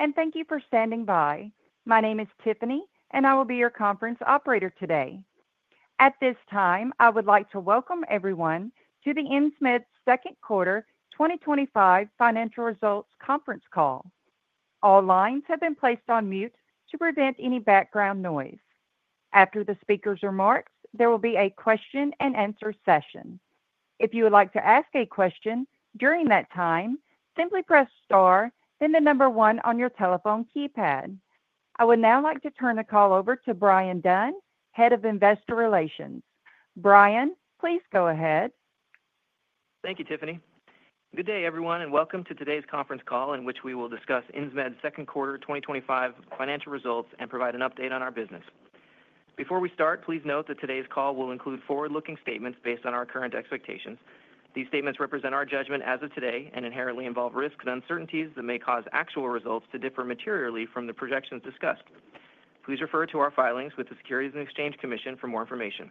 Hello, and thank you for standing by my name is Tiffany, and I will be your conference operator today. At this time, I would like to welcome everyone to the Insmed Second Quarter 2025 Financial Results Conference Call. All lines have been placed on mute to prevent any background noise. After the speakers' remarks, there will be a question and answer session. If you would like to ask a question during that time, simply press star then the number one on your telephone keypad. I would now like to turn the call over to Bryan Dunn, Head of Investor Relations. Bryan, please go ahead. Thank you, Tiffany. Good day, everyone, and welcome to today's conference call in which we will discuss Insmed's second quarter 2025 financial results and provide an update on our business. Before we start, please note that today's call will include forward-looking statements based on our current expectations. These statements represent our judgment as of today and inherently involve risks and uncertainties that may cause actual results to differ materially from the projections discussed. Please refer to our filings with the Securities and Exchange Commission for more information.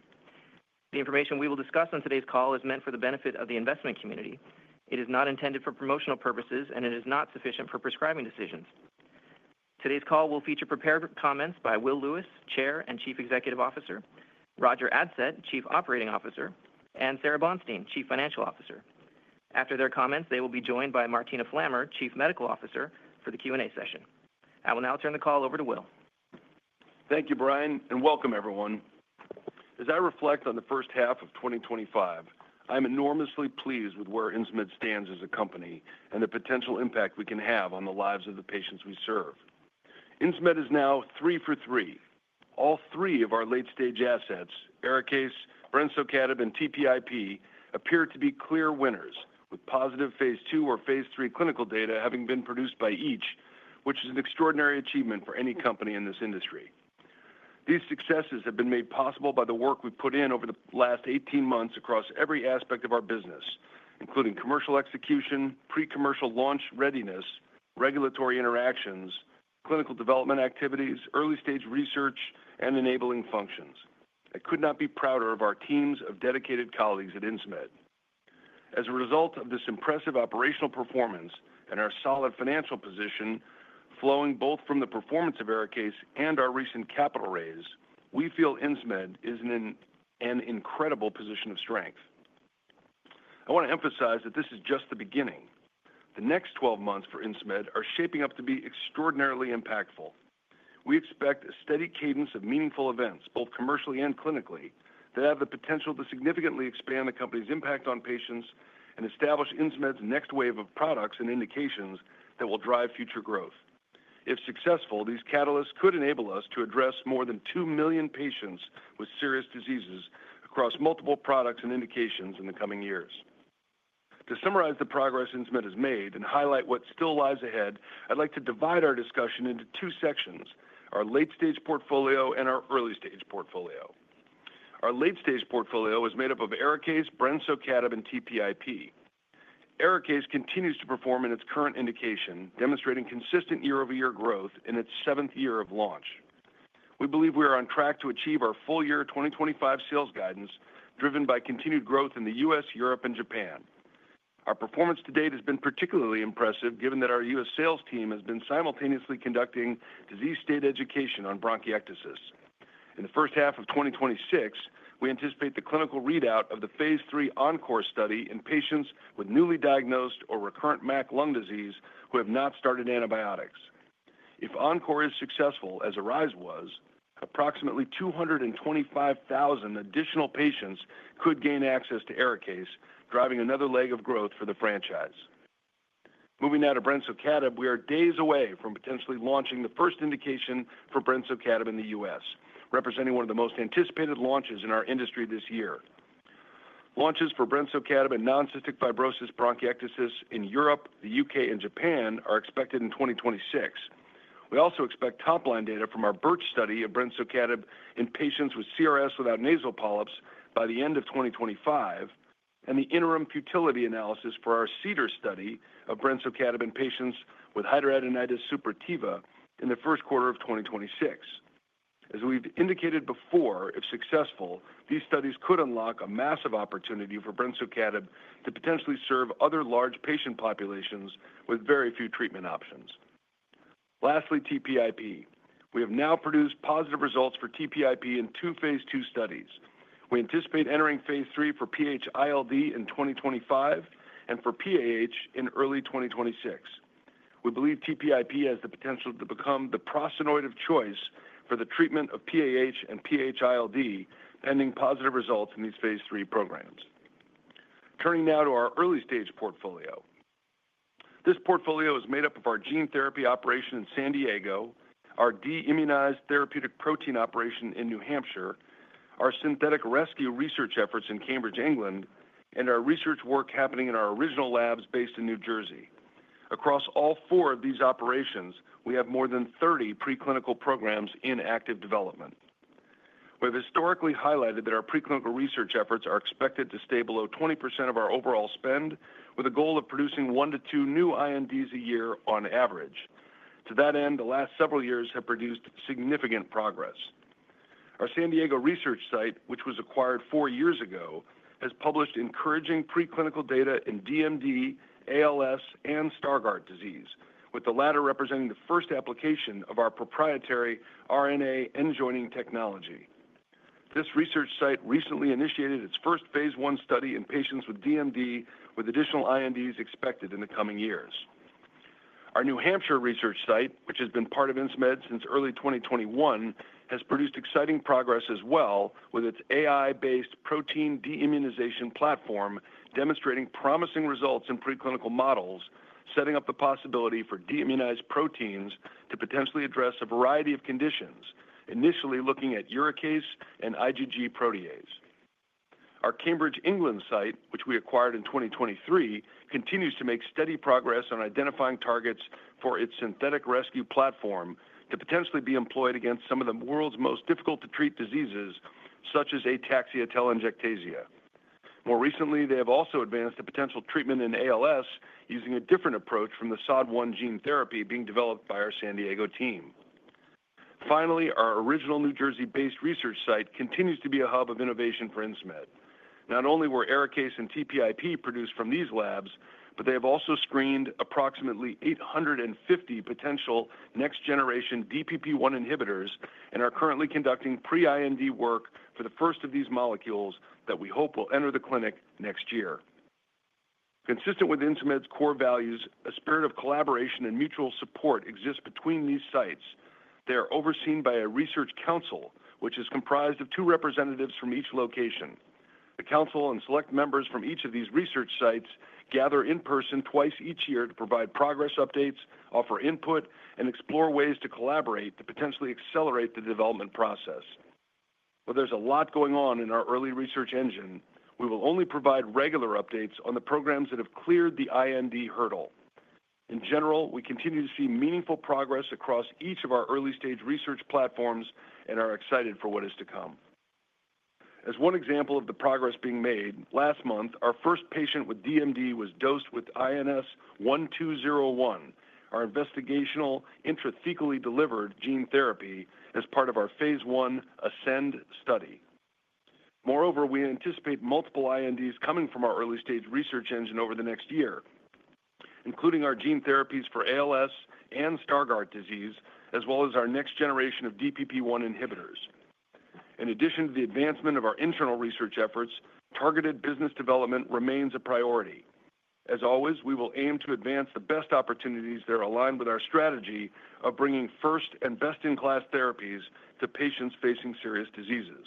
The information we will discuss on today's call is meant for the benefit of the investment community. It is not intended for promotional purposes, and it is not sufficient for prescribing decisions. Today's call will feature prepared comments by Will Lewis, Chair and Chief Executive Officer, Roger Adsett, Chief Operating Officer, and Sara Bonstein, Chief Financial Officer. After their comments, they will be joined by Martina Flammer, Chief Medical Officer, for the Q&A session. I will now turn the call over to Will. Thank you, Bryan, and welcome, everyone. As I reflect on the first half of 2025, I am enormously pleased with where Insmed stands as a company and the potential impact we can have on the lives of the patients we serve. Insmed is now three for three. All three of our late-stage assets, ARIKAYCE, brensocatib, and TPIP, appear to be clear winners, with positive Phase 2 or Phase 3 clinical data having been produced by each, which is an extraordinary achievement for any company in this industry. These successes have been made possible by the work we've put in over the last 18 months across every aspect of our business, including commercial execution, pre-commercial launch readiness, regulatory interactions, clinical development activities, early-stage research, and enabling functions. I could not be prouder of our teams of dedicated colleagues at Insmed. As a result of this impressive operational performance and our solid financial position, flowing both from the performance of ARIKAYCE and our recent capital raise, we feel Insmed is in an incredible position of strength. I want to emphasize that this is just the beginning. The next 12 months for Insmed are shaping up to be extraordinarily impactful. We expect a steady cadence of meaningful events, both commercially and clinically, that have the potential to significantly expand the company's impact on patients and establish Insmed's next wave of products and indications that will drive future growth. If successful, these catalysts could enable us to address more than 2 million patients with serious diseases across multiple products and indications in the coming years. To summarize the progress Insmed has made and highlight what still lies ahead, I'd like to divide our discussion into two sections: our late-stage portfolio and our early-stage portfolio. Our late-stage portfolio is made up of ARIKAYCE, brensocatib, and TPIP. ARIKAYCE continues to perform in its current indication, demonstrating consistent year-over-year growth in its seventh year of launch. We believe we are on track to achieve our full-year 2025 sales guidance, driven by continued growth in the U.S., Europe, and Japan. Our performance to date has been particularly impressive, given that our U.S. sales team has been simultaneously conducting disease state education on bronchiectasis. In the first half of 2026, we anticipate the clinical readout of the Phase 3 ENCORE study in patients with newly diagnosed or recurrent MAC lung disease who have not started antibiotics. If ENCORE is successful, as ARISE was, approximately 225,000 additional patients could gain access to ARIKAYCE, driving another leg of growth for the franchise. Moving now to brensocatib, we are days away from potentially launching the first indication for brensocatib in the U.S., representing one of the most anticipated launches in our industry this year. Launches for brensocatib in non-cystic fibrosis bronchiectasis in Europe, the U.K., and Japan are expected in 2026. We also expect top-line data from our BiRCh study of brensocatib in patients with chronic rhinosinusitis without nasal polyps by the end of 2025, and the interim futility analysis for our CEDAR study of brensocatib in patients with hidradenitis suppurativa in the first quarter of 2026. As we've indicated before, if successful, these studies could unlock a massive opportunity for brensocatib to potentially serve other large patient populations with very few treatment options. Lastly, TPIP. We have now produced positive results for TPIP in two Phase 2 studies. We anticipate entering Phase 3 for PH-ILD in 2025 and for PAH in early 2026. We believe TPIP has the potential to become the prostanoid of choice for the treatment of PAH and PH-ILD, pending positive results in these Phase 3 programs. Turning now to our early-stage portfolio. This portfolio is made up of our gene therapy operation in San Diego, our deimmunized therapeutic protein operation in New Hampshire, our synthetic rescue research efforts in Cambridge (England), and our research work happening in our original labs based in New Jersey. Across all four of these operations, we have more than 30 preclinical programs in active development. We have historically highlighted that our preclinical research efforts are expected to stay below 20% of our overall spend, with a goal of producing one to two new INDs a year on average. To that end, the last several years have produced significant progress. Our San Diego research site, which was acquired four years ago, has published encouraging preclinical data in DMD, ALS, and Stargardt disease, with the latter representing the first application of our proprietary RNA enjoining technology. This research site recently initiated its first Phase 1 study in patients with DMD, with additional INDs expected in the coming years. Our New Hampshire research site, which has been part of Insmed since early 2021, has produced exciting progress as well, with its AI-based protein deimmunization platform demonstrating promising results in preclinical models, setting up the possibility for deimmunized proteins to potentially address a variety of conditions, initially looking at uricase and IgG protease. Our Cambridge England site, which we acquired in 2023, continues to make steady progress on identifying targets for its synthetic rescue platform to potentially be employed against some of the world's most difficult-to-treat diseases, such as ataxia telangiectasia. More recently, they have also advanced the potential treatment in ALS using a different approach from the SOD1 gene therapy being developed by our San Diego team. Finally, our original New Jersey-based research site continues to be a hub of innovation for Insmed. Not only were ARIKAYCE and TPIP produced from these labs, but they have also screened approximately 850 potential next-generation DPP-1 inhibitors and are currently conducting pre-IND work for the first of these molecules that we hope will enter the clinic next year. Consistent with Insmed's core values, a spirit of collaboration and mutual support exists between these sites. They are overseen by a research council, which is comprised of two representatives from each location. The council and select members from each of these research sites gather in person twice each year to provide progress updates, offer input, and explore ways to collaborate to potentially accelerate the development process. While there's a lot going on in our early research engine, we will only provide regular updates on the programs that have cleared the IND hurdle. In general, we continue to see meaningful progress across each of our early-stage research platforms and are excited for what is to come. As one example of the progress being made, last month, our first patient with DMD was dosed with INS1201, our investigational intrathecally delivered gene therapy, as part of our Phase 1 ASCEND study. Moreover, we anticipate multiple INDs coming from our early-stage research engine over the next year, including our gene therapies for ALS and Stargardt disease, as well as our next generation of DPP-1 inhibitors. In addition to the advancement of our internal research efforts, targeted business development remains a priority. As always, we will aim to advance the best opportunities that are aligned with our strategy of bringing first and best-in-class therapies to patients facing serious diseases.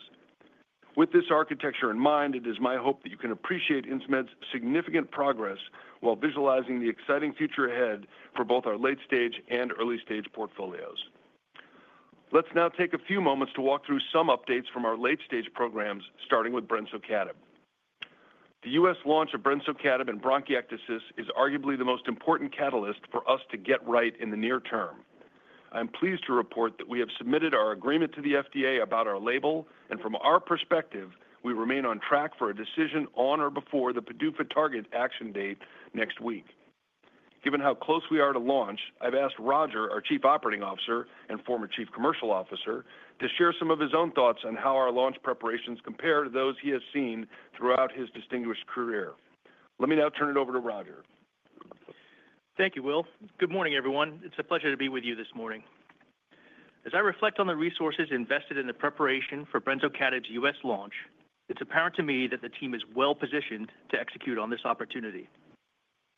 With this architecture in mind, it is my hope that you can appreciate Insmed's significant progress while visualizing the exciting future ahead for both our late-stage and early-stage portfolios. Let's now take a few moments to walk through some updates from our late-stage programs, starting with brensocatib. The U.S. launch of brensocatib in bronchiectasis is arguably the most important catalyst for us to get right in the near term. I am pleased to report that we have submitted our agreement to the FDA about our label, and from our perspective, we remain on track for a decision on or before the PDUFA target action date next week. Given how close we are to launch, I've asked Roger, our Chief Operating Officer and former Chief Commercial Officer, to share some of his own thoughts on how our launch preparations compare to those he has seen throughout his distinguished career. Let me now turn it over to Roger. Thank you, Will. Good morning, everyone. It's a pleasure to be with you this morning. As I reflect on the resources invested in the preparation for brensocatib's U.S. launch, it's apparent to me that the team is well positioned to execute on this opportunity.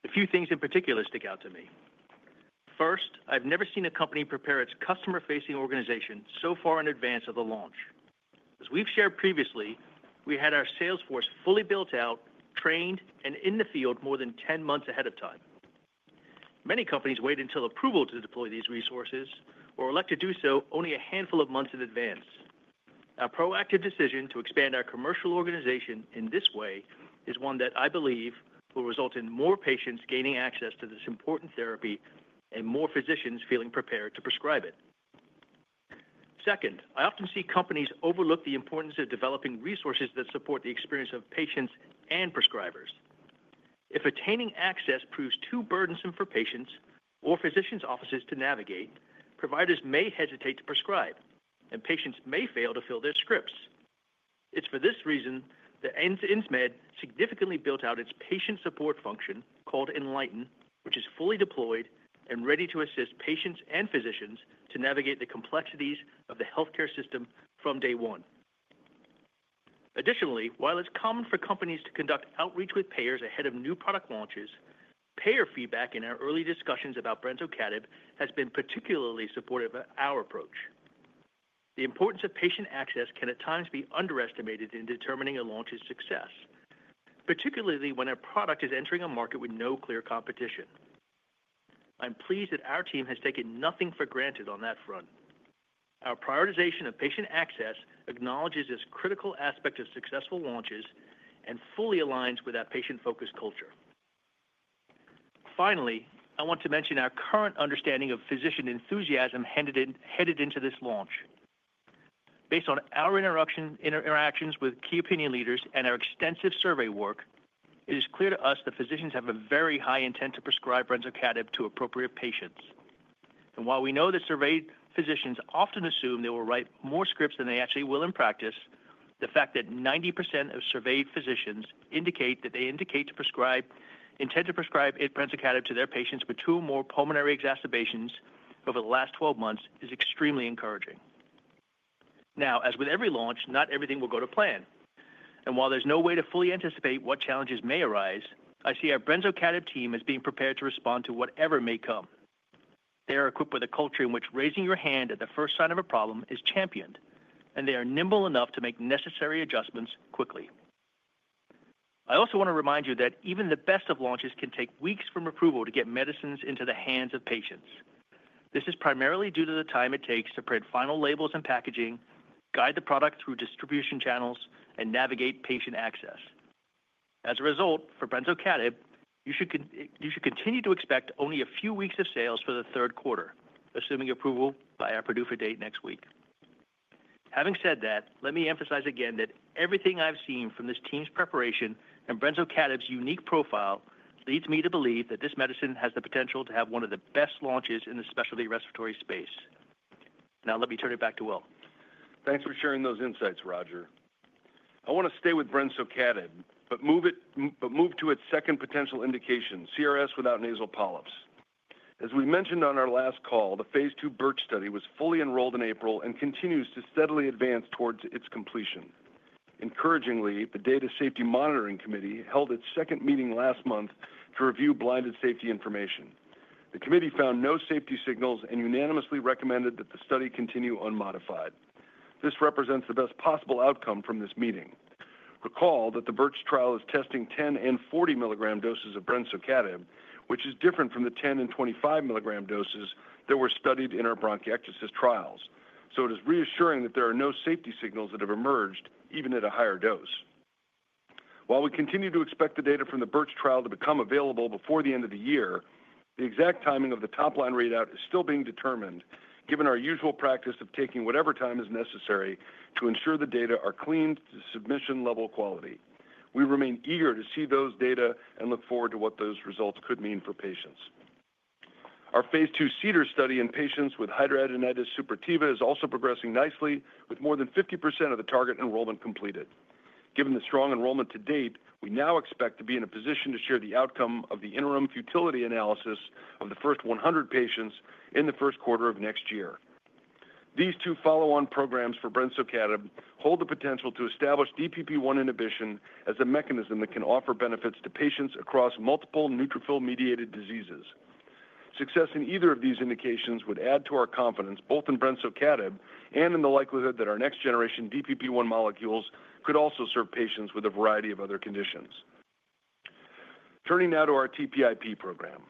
A few things in particular stick out to me. First, I've never seen a company prepare its customer-facing organization so far in advance of the launch. As we've shared previously, we had our sales force fully built out, trained, and in the field more than 10 months ahead of time. Many companies wait until approval to deploy these resources or elect to do so only a handful of months in advance. Our proactive decision to expand our commercial organization in this way is one that I believe will result in more patients gaining access to this important therapy and more physicians feeling prepared to prescribe it. Second, I often see companies overlook the importance of developing resources that support the experience of patients and prescribers. If attaining access proves too burdensome for patients or physicians' offices to navigate, providers may hesitate to prescribe, and patients may fail to fill their scripts. It's for this reason that Insmed significantly built out its patient support function called inLighten, which is fully deployed and ready to assist patients and physicians to navigate the complexities of the healthcare system from day one. Additionally, while it's common for companies to conduct outreach with payers ahead of new product launches, payer feedback in our early discussions about brensocatib has been particularly supportive of our approach. The importance of patient access can at times be underestimated in determining a launch's success, particularly when a product is entering a market with no clear competition. I'm pleased that our team has taken nothing for granted on that front. Our prioritization of patient access acknowledges this critical aspect of successful launches and fully aligns with our patient-focused culture. Finally, I want to mention our current understanding of physician enthusiasm headed into this launch. Based on our interactions with key opinion leaders and our extensive survey work, it is clear to us that physicians have a very high intent to prescribe brensocatib to appropriate patients. While we know that surveyed physicians often assume they will write more scripts than they actually will in practice, the fact that 90% of surveyed physicians indicate that they intend to prescribe brensocatib to their patients with two or more pulmonary exacerbations over the last 12 months is extremely encouraging. As with every launch, not everything will go to plan. While there is no way to fully anticipate what challenges may arise, I see our brensocatib team as being prepared to respond to whatever may come. They are equipped with a culture in which raising your hand at the first sign of a problem is championed, and they are nimble enough to make necessary adjustments quickly. I also want to remind you that even the best of launches can take weeks from approval to get medicines into the hands of patients. This is primarily due to the time it takes to print final labels and packaging, guide the product through distribution channels, and navigate patient access. As a result, for brensocatib, you should continue to expect only a few weeks of sales for the third quarter, assuming approval by our PDUFA date next week. Having said that, let me emphasize again that everything I've seen from this team's preparation and brensocatib's unique profile leads me to believe that this medicine has the potential to have one of the best launches in the specialty respiratory space. Now, let me turn it back to Will. Thanks for sharing those insights, Roger. I want to stay with brensocatib, but move to its second potential indication, CRS without nasal polyps. As we mentioned on our last call, the Phase 2 BiRCh study was fully enrolled in April and continues to steadily advance towards its completion. Encouragingly, the Data Safety Monitoring Committee held its second meeting last month to review blinded safety information. The committee found no safety signals and unanimously recommended that the study continue unmodified. This represents the best possible outcome from this meeting. Recall that the BiRCh trial is testing 10 mg and 40 mg doses of brensocatib, which is different from the 10 mg and 25 mg doses that were studied in our bronchiectasis trials. It is reassuring that there are no safety signals that have emerged, even at a higher dose. While we continue to expect the data from the BiRCh trial to become available before the end of the year, the exact timing of the top-line readout is still being determined, given our usual practice of taking whatever time is necessary to ensure the data are cleaned to submission-level quality. We remain eager to see those data and look forward to what those results could mean for patients. Our Phase 2 CEDAR study in patients with hidradenitis suppurativa is also progressing nicely, with more than 50% of the target enrollment completed. Given the strong enrollment to date, we now expect to be in a position to share the outcome of the interim futility analysis of the first 100 patients in the first quarter of next year. These two follow-on programs for brensocatib hold the potential to establish DPP-1 inhibition as a mechanism that can offer benefits to patients across multiple neutrophil-mediated diseases. Success in either of these indications would add to our confidence, both in brensocatib and in the likelihood that our next-generation DPP-1 molecules could also serve patients with a variety of other conditions. Turning now to our TPIP program.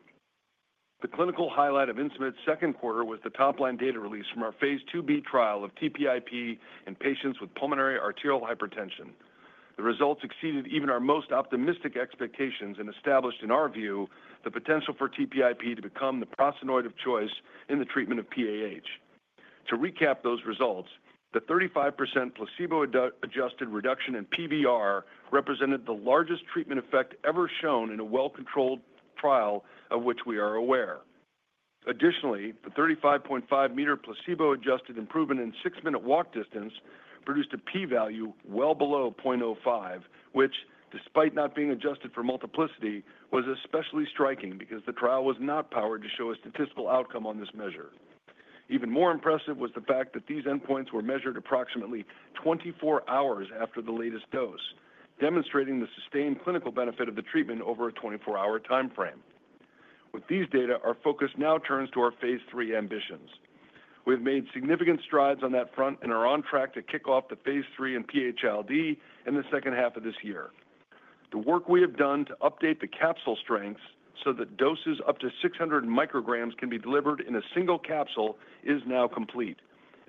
The clinical highlight of Insmed's second quarter was the top-line data release from our Phase 2B trial of TPIP in patients with pulmonary arterial hypertension. The results exceeded even our most optimistic expectations and established, in our view, the potential for TPIP to become the prostanoid of choice in the treatment of PAH. To recap those results, the 35% placebo-adjusted reduction in PVR represented the largest treatment effect ever shown in a well-controlled trial of which we are aware. Additionally, the 35.5 meter placebo-adjusted improvement in six-minute walk distance produced a p-value well below 0.05, which, despite not being adjusted for multiplicity, was especially striking because the trial was not powered to show a statistical outcome on this measure. Even more impressive was the fact that these endpoints were measured approximately 24 hours after the latest dose, demonstrating the sustained clinical benefit of the treatment over a 24-hour timeframe. With these data, our focus now turns to our Phase 3 ambitions. We have made significant strides on that front and are on track to kick off the Phase 3 in PH-ILD in the second half of this year. The work we have done to update the capsule strengths so that doses up to 600 mcgs can be delivered in a single capsule is now complete.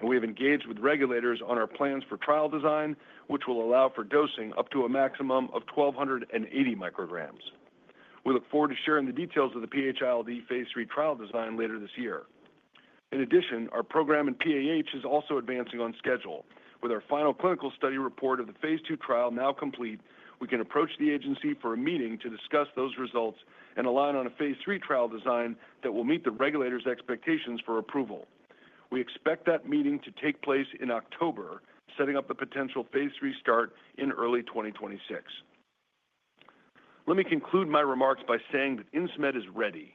We have engaged with regulators on our plans for trial design, which will allow for dosing up to a maximum of 1,280 mcgs. We look forward to sharing the details of the PH-ILD Phase 3 trial design later this year. In addition, our program in PAH is also advancing on schedule. With our final clinical study report of the Phase 2 trial now complete, we can approach the agency for a meeting to discuss those results and align on a Phase 3 trial design that will meet the regulators' expectations for approval. We expect that meeting to take place in October, setting up a potential Phase 3 start in early 2026. Let me conclude my remarks by saying that Insmed is ready.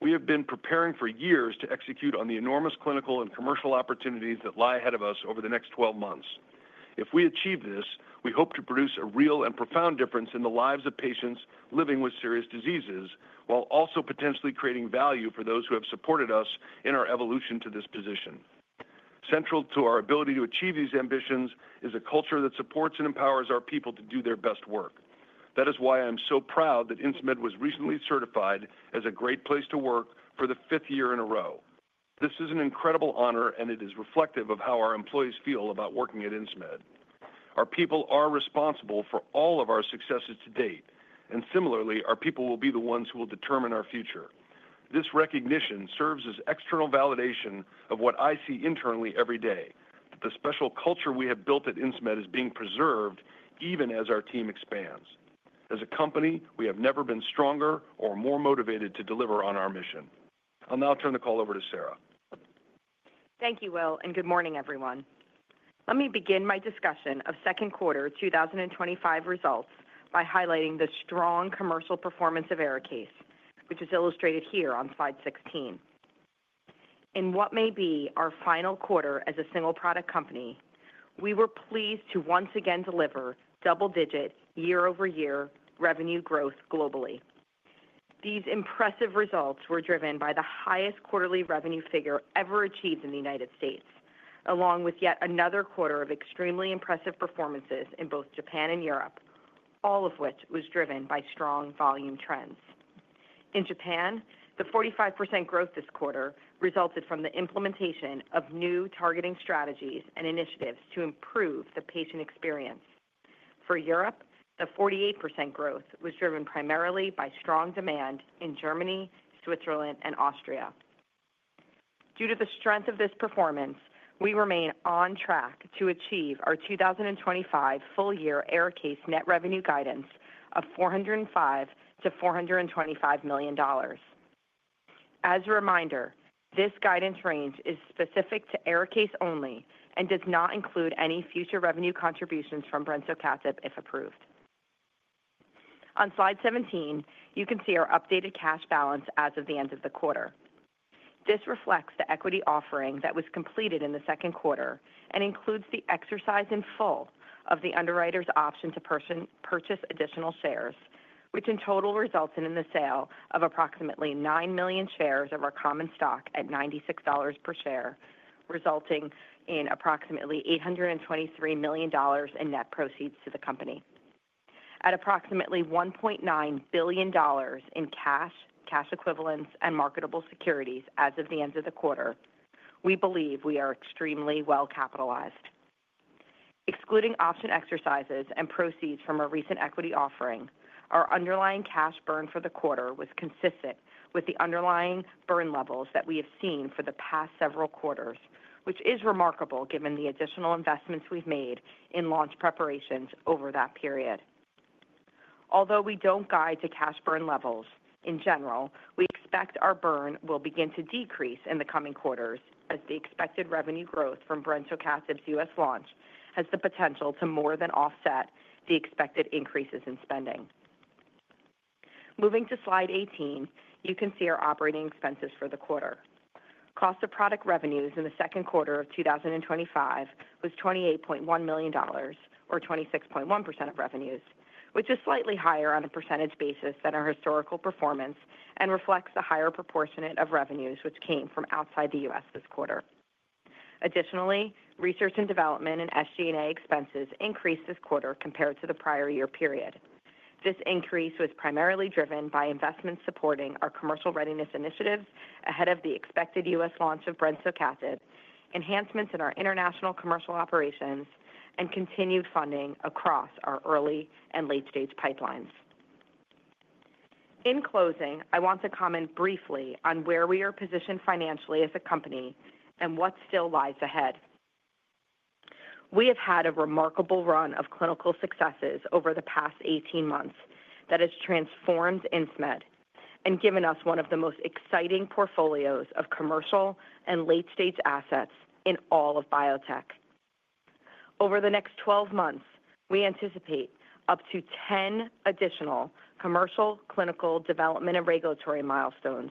We have been preparing for years to execute on the enormous clinical and commercial opportunities that lie ahead of us over the next 12 months. If we achieve this, we hope to produce a real and profound difference in the lives of patients living with serious diseases, while also potentially creating value for those who have supported us in our evolution to this position. Central to our ability to achieve these ambitions is a culture that supports and empowers our people to do their best work. That is why I am so proud that Insmed was recently certified as a great place to work for the fifth year in a row. This is an incredible honor, and it is reflective of how our employees feel about working at Insmed. Our people are responsible for all of our successes to date, and similarly, our people will be the ones who will determine our future. This recognition serves as external validation of what I see internally every day, that the special culture we have built at Insmed is being preserved even as our team expands. As a company, we have never been stronger or more motivated to deliver on our mission. I'll now turn the call over to Sara. Thank you, Will, and good morning, everyone. Let me begin my discussion of second quarter 2025 results by highlighting the strong commercial performance of ARIKAYCE, which is illustrated here on slide 16. In what may be our final quarter as a single product company, we were pleased to once again deliver double-digit year-over-year revenue growth globally. These impressive results were driven by the highest quarterly revenue figure ever achieved in the United States, along with yet another quarter of extremely impressive performances in both Japan and Europe, all of which was driven by strong volume trends. In Japan, the 45% growth this quarter resulted from the implementation of new targeting strategies and initiatives to improve the patient experience. For Europe, the 48% growth was driven primarily by strong demand in Germany, Switzerland, and Austria. Due to the strength of this performance, we remain on track to achieve our 2025 full-year ARIKAYCE net revenue guidance of $405 million-$425 million. As a reminder, this guidance range is specific to ARIKAYCE only and does not include any future revenue contributions from brensocatib if approved. On slide 17, you can see our updated cash balance as of the end of the quarter. This reflects the equity offering that was completed in the second quarter and includes the exercise in full of the underwriter's option to purchase additional shares, which in total resulted in the sale of approximately 9 million shares of our common stock at $96 per share, resulting in approximately $823 million in net proceeds to the company. At approximately $1.9 billion in cash, cash equivalents, and marketable securities as of the end of the quarter, we believe we are extremely well capitalized. Excluding option exercises and proceeds from our recent equity offering, our underlying cash burn for the quarter was consistent with the underlying burn levels that we have seen for the past several quarters, which is remarkable given the additional investments we've made in launch preparations over that period. Although we don't guide to cash burn levels, in general, we expect our burn will begin to decrease in the coming quarters as the expected revenue growth from brensocatib's U.S. launch has the potential to more than offset the expected increases in spending. Moving to slide 18, you can see our operating expenses for the quarter. Cost of product revenues in the second quarter of 2025 was $28.1 million, or 26.1% of revenues, which is slightly higher on a percentage basis than our historical performance and reflects the higher proportion of revenues which came from outside the U.S. this quarter. Additionally, research and development and SG&A expenses increased this quarter compared to the prior year period. This increase was primarily driven by investments supporting our commercial readiness initiatives ahead of the expected U.S. launch of brensocatib, enhancements in our international commercial operations, and continued funding across our early and late-stage pipelines. In closing, I want to comment briefly on where we are positioned financially as a company and what still lies ahead. We have had a remarkable run of clinical successes over the past 18 months that has transformed Insmed and given us one of the most exciting portfolios of commercial and late-stage assets in all of biotech. Over the next 12 months, we anticipate up to 10 additional commercial, clinical, development, and regulatory milestones,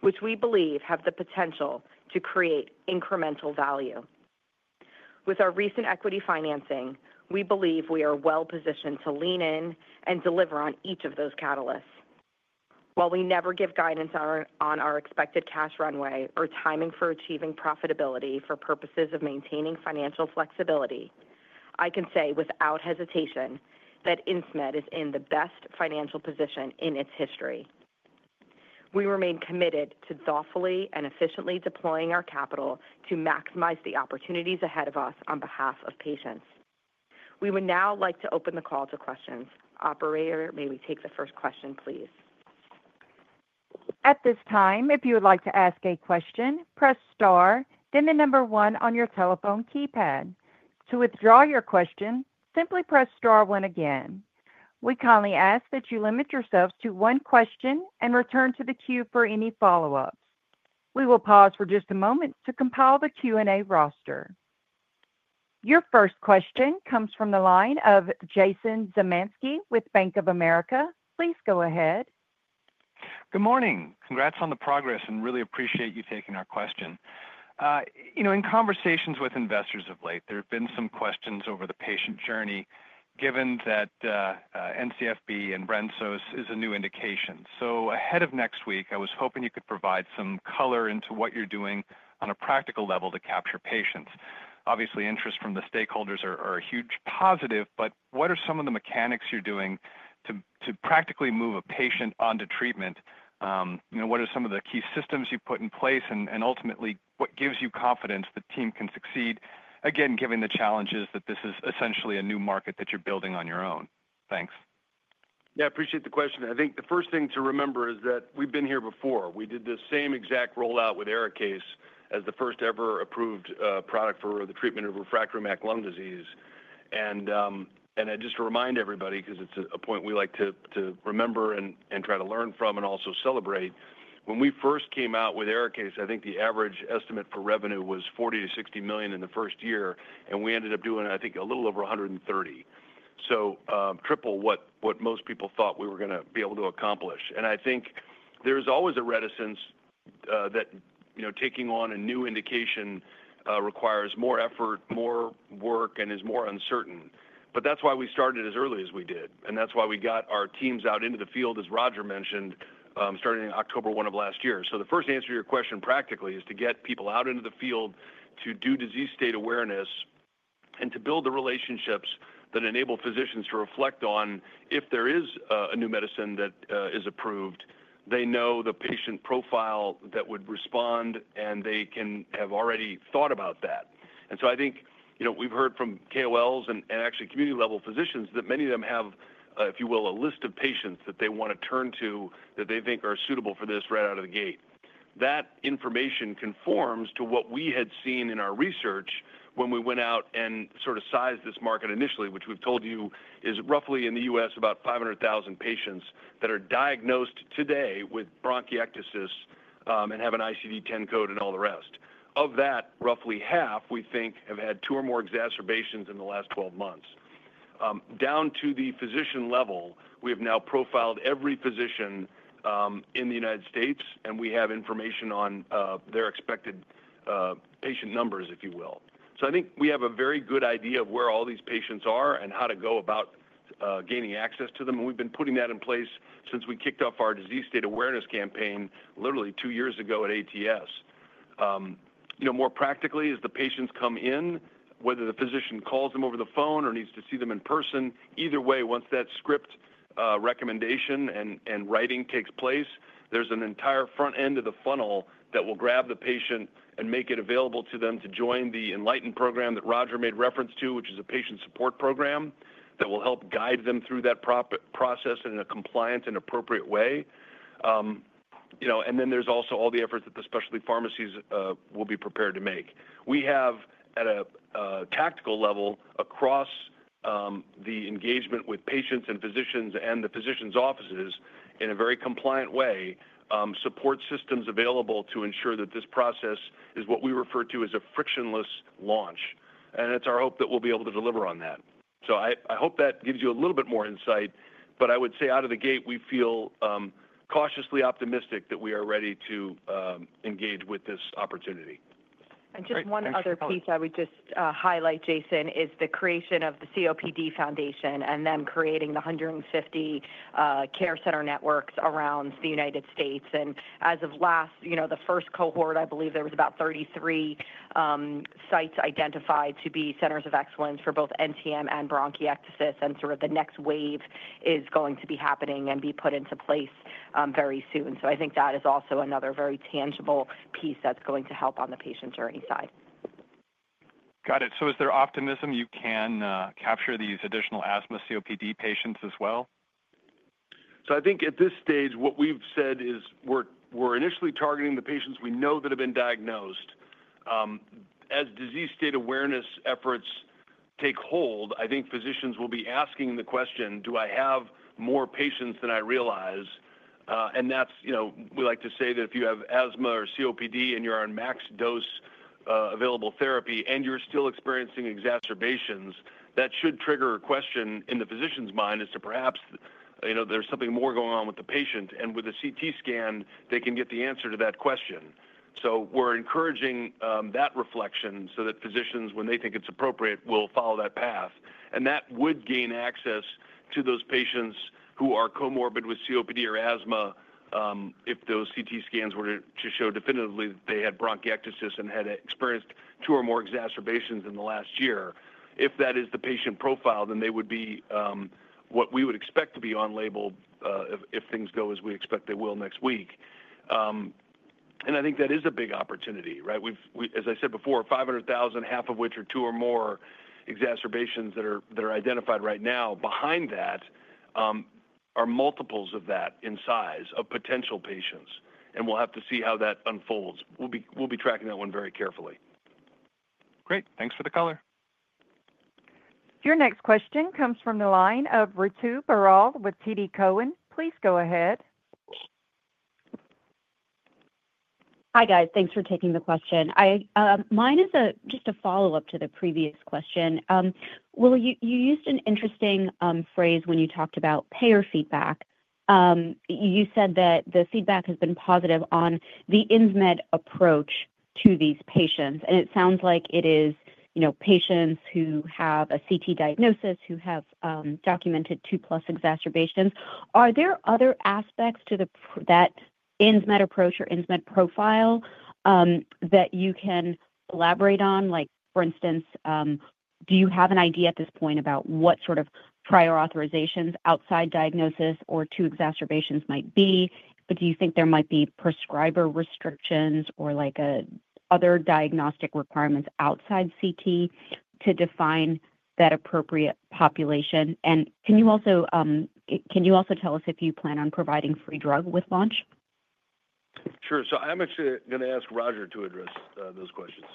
which we believe have the potential to create incremental value. With our recent equity financing, we believe we are well positioned to lean in and deliver on each of those catalysts. While we never give guidance on our expected cash runway or timing for achieving profitability for purposes of maintaining financial flexibility, I can say without hesitation that Insmed is in the best financial position in its history. We remain committed to thoughtfully and efficiently deploying our capital to maximize the opportunities ahead of us on behalf of patients. We would now like to open the call to questions. Operator, may we take the first question, please. At this time, if you would like to ask a question, press star, then the number one on your telephone keypad. To withdraw your question, simply press star one again. We kindly ask that you limit yourselves to one question and return to the queue for any follow-up. We will pause for just a moment to compile the Q&A roster. Your first question comes from the line of Jason Zemanski with BofA Securities. Please go ahead. Good morning. Congrats on the progress and really appreciate you taking our question. In conversations with investors of late, there have been some questions over the patient journey, given that NCFB and brensocatib is a new indication. Ahead of next week, I was hoping you could provide some color into what you're doing on a practical level to capture patients. Obviously, interest from the stakeholders is a huge positive, but what are some of the mechanics you're doing to practically move a patient onto treatment? What are some of the key systems you put in place and ultimately what gives you confidence the team can succeed, again, given the challenges that this is essentially a new market that you're building on your own? Thanks. Yeah, I appreciate the question. I think the first thing to remember is that we've been here before. We did the same exact rollout with ARIKAYCE as the first ever approved product for the treatment of refractory MAC lung disease. I just remind everybody, because it's a point we like to remember and try to learn from and also celebrate, when we first came out with ARIKAYCE, I think the average estimate for revenue was $40 million-$60 million in the first year, and we ended up doing, I think, a little over $130 million. Triple what most people thought we were going to be able to accomplish. I think there's always a reticence that, you know, taking on a new indication requires more effort, more work, and is more uncertain. That's why we started as early as we did. That's why we got our teams out into the field, as Roger mentioned, starting on October 1 of last year. The first answer to your question practically is to get people out into the field to do disease state awareness and to build the relationships that enable physicians to reflect on if there is a new medicine that is approved. They know the patient profile that would respond, and they can have already thought about that. I think, you know, we've heard from KOLs and actually community-level physicians that many of them have, if you will, a list of patients that they want to turn to that they think are suitable for this right out of the gate. That information conforms to what we had seen in our research when we went out and sort of sized this market initially, which we've told you is roughly in the U.S. about 500,000 patients that are diagnosed today with bronchiectasis and have an ICD-10 code and all the rest. Of that, roughly half, we think, have had two or more exacerbations in the last 12 months. Down to the physician level, we have now profiled every physician in the United States, and we have information on their expected patient numbers, if you will. I think we have a very good idea of where all these patients are and how to go about gaining access to them. We've been putting that in place since we kicked off our disease state awareness campaign literally two years ago at ATS. You know, more practically, as the patients come in, whether the physician calls them over the phone or needs to see them in person, either way, once that script recommendation and writing takes place, there's an entire front end of the funnel that will grab the patient and make it available to them to join the Enlighten program that Roger made reference to, which is a patient support program that will help guide them through that process in a compliant and appropriate way. Then there's also all the efforts that the specialty pharmacies will be prepared to make. We have, at a tactical level, across the engagement with patients and physicians and the physicians' offices in a very compliant way, support systems available to ensure that this process is what we refer to as a frictionless launch. It's our hope that we'll be able to deliver on that. I hope that gives you a little bit more insight, but I would say out of the gate, we feel cautiously optimistic that we are ready to engage with this opportunity. One other piece I would just highlight, Jason, is the creation of the COPD Foundation and then creating the 150 care center networks around the United States As of last, you know, the first cohort, I believe there was about 33 sites identified to be centers of excellence for both NTM and bronchiectasis, and the next wave is going to be happening and be put into place very soon. I think that is also another very tangible piece that's going to help on the patient journey side. Got it. Is there optimism you can capture these additional asthma COPD patients as well? I think at this stage, what we've said is we're initially targeting the patients we know that have been diagnosed. As disease state awareness efforts take hold, I think physicians will be asking the question, do I have more patients than I realize? We like to say that if you have asthma or COPD and you're on max dose available therapy and you're still experiencing exacerbations, that should trigger a question in the physician's mind as to perhaps there's something more going on with the patient. With a CT scan, they can get the answer to that question. We're encouraging that reflection so that physicians, when they think it's appropriate, will follow that path. That would gain access to those patients who are comorbid with COPD or asthma if those CT scans were to show definitively that they had bronchiectasis and had experienced two or more exacerbations in the last year. If that is the patient profile, then they would be what we would expect to be on label if things go as we expect they will next week. I think that is a big opportunity, right? As I said before, 500,000, half of which are two or more exacerbations that are identified right now. Behind that are multiples of that in size of potential patients. We'll have to see how that unfolds. We'll be tracking that one very carefully. Great. Thanks for the color. Your next question comes from the line of Ritu Baral with TD Cowen. Please go ahead. Hi guys, thanks for taking the question. Mine is just a follow-up to the previous question. Will, you used an interesting phrase when you talked about payer feedback. You said that the feedback has been positive on the Insmed approach to these patients. It sounds like it is patients who have a CT diagnosis who have documented 2+ exacerbations. Are there other aspects to that Insmed approach or Insmed profile that you can elaborate on? For instance, do you have an idea at this point about what sort of prior authorizations outside diagnosis or two exacerbations might be? Do you think there might be prescriber restrictions or other diagnostic requirements outside CT to define that appropriate population? Can you also tell us if you plan on providing free drug with launch? Sure. I'm actually going to ask Roger to address those questions.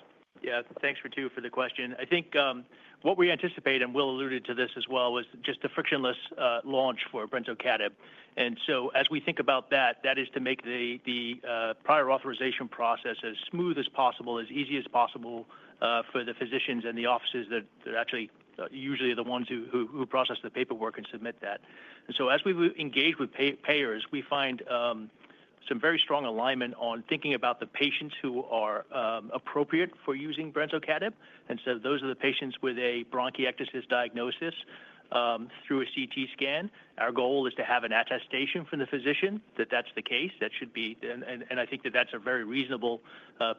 Yeah, thanks Ritu for the question. I think what we anticipate, and Will alluded to this as well, was just a frictionless launch for brensocatib. As we think about that, that is to make the prior authorization process as smooth as possible, as easy as possible for the physicians and the offices that are actually usually the ones who process the paperwork and submit that. As we've engaged with payers, we find some very strong alignment on thinking about the patients who are appropriate for using brensocatib. Those are the patients with a bronchiectasis diagnosis through a CT scan. Our goal is to have an attestation from the physician that that's the case. That should be, and I think that that's a very reasonable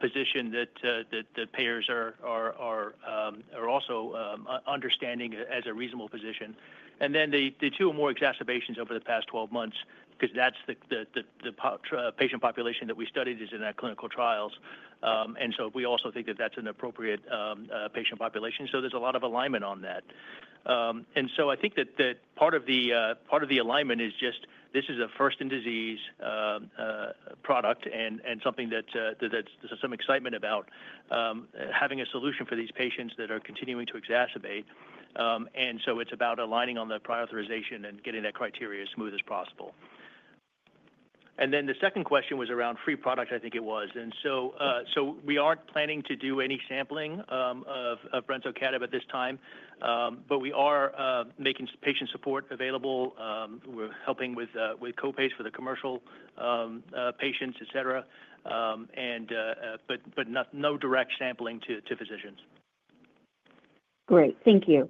position that the payers are also understanding as a reasonable position. The two or more exacerbations over the past 12 months, because that's the patient population that we studied in our clinical trials. We also think that that's an appropriate patient population. There's a lot of alignment on that. I think that part of the alignment is just this is a first-in-disease product and something that there's some excitement about having a solution for these patients that are continuing to exacerbate. It's about aligning on the prior authorization and getting that criteria as smooth as possible. The second question was around free product, I think it was. We aren't planning to do any sampling of brensocatib at this time, but we are making patient support available. We're helping with copays for the commercial patients, etc, but no direct sampling to physicians. Great, thank you.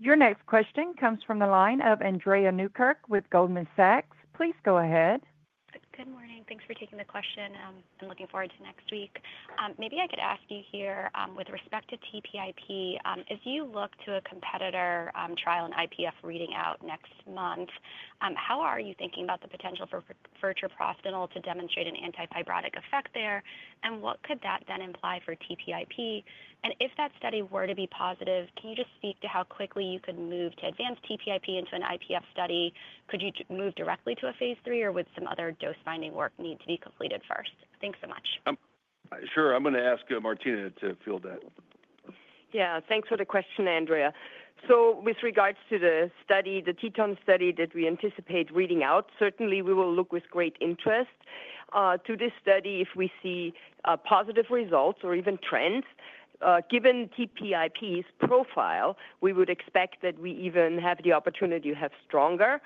Your next question comes from the line of Andrea Newkirk with Goldman Sachs. Please go ahead. Good morning. Thanks for taking the question. I'm looking forward to next week. Maybe I could ask you here with respect to TPIP, as you look to a competitor trial in IPF reading out next month, how are you thinking about the potential for furtorprostinol to demonstrate an antifibrotic effect there? What could that then imply for TPIP? If that study were to be positive, can you just speak to how quickly you could move to advance TPIP into an IPF study? Could you move directly to a phase three, or would some other dose binding work need to be completed first? Thanks so much. Sure, I'm going to ask Martina to field that. Yeah, thanks for the question, Andrea. With regards to the study, the TTOM study that we anticipate reading out, certainly we will look with great interest to this study if we see positive results or even trends. Given TPIP's profile, we would expect that we even have the opportunity to have stronger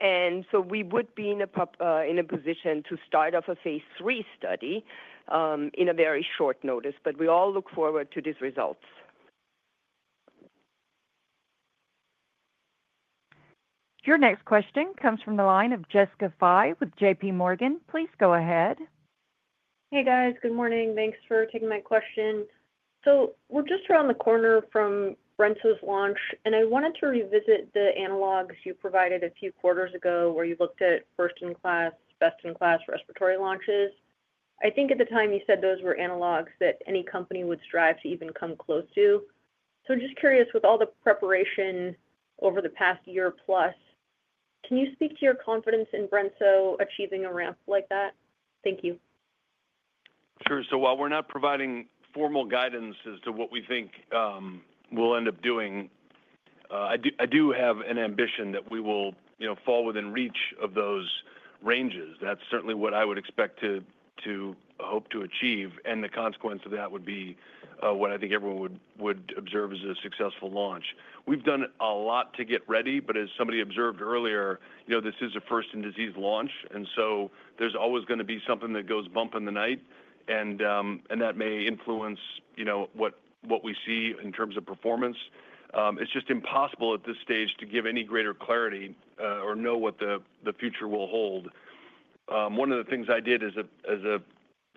effects. We would be in a position to start off a phase three study on very short notice, but we all look forward to these results. Your next question comes from the line of Jessica Fye with J.P. Morgan. Please go ahead. Hey guys, good morning. Thanks for taking my question. We're just around the corner from brensocatib's launch, and I wanted to revisit the analogs you provided a few quarters ago where you looked at first-in-class, best-in-class respiratory launches. I think at the time you said those were analogs that any company would strive to even come close to. I'm just curious, with all the preparation over the past year plus, can you speak to your confidence in brensocatib achieving a ramp like that? Thank you. Sure. While we're not providing formal guidance as to what we think we'll end up doing, I do have an ambition that we will fall within reach of those ranges. That's certainly what I would expect to hope to achieve, and the consequence of that would be what I think everyone would observe as a successful launch. We've done a lot to get ready, but as somebody observed earlier, this is a first-in-disease launch, and there's always going to be something that goes bump in the night, and that may influence what we see in terms of performance. It's just impossible at this stage to give any greater clarity or know what the future will hold. One of the things I did as a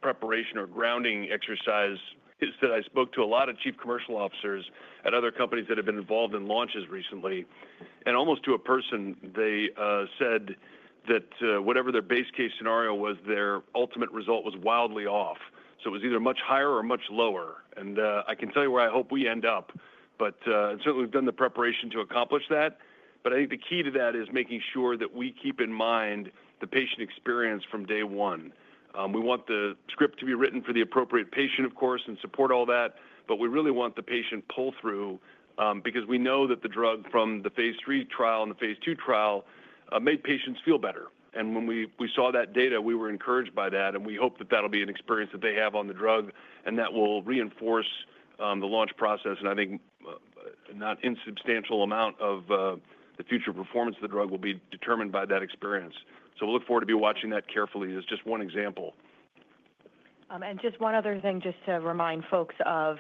preparation or grounding exercise is that I spoke to a lot of Chief Commercial Officers at other companies that have been involved in launches recently, and almost to a person, they said that whatever their base case scenario was, their ultimate result was wildly off. It was either much higher or much lower. I can tell you where I hope we end up, but certainly we've done the preparation to accomplish that. I think the key to that is making sure that we keep in mind the patient experience from day one. We want the script to be written for the appropriate patient, of course, and support all that, but we really want the patient pull-through because we know that the drug from the phase 3 trial and the phase 2 trial made patients feel better. When we saw that data, we were encouraged by that, and we hope that that'll be an experience that they have on the drug, and that will reinforce the launch process. I think not an insubstantial amount of the future performance of the drug will be determined by that experience. We look forward to be watching that carefully as just one example. Just one other thing to remind folks of,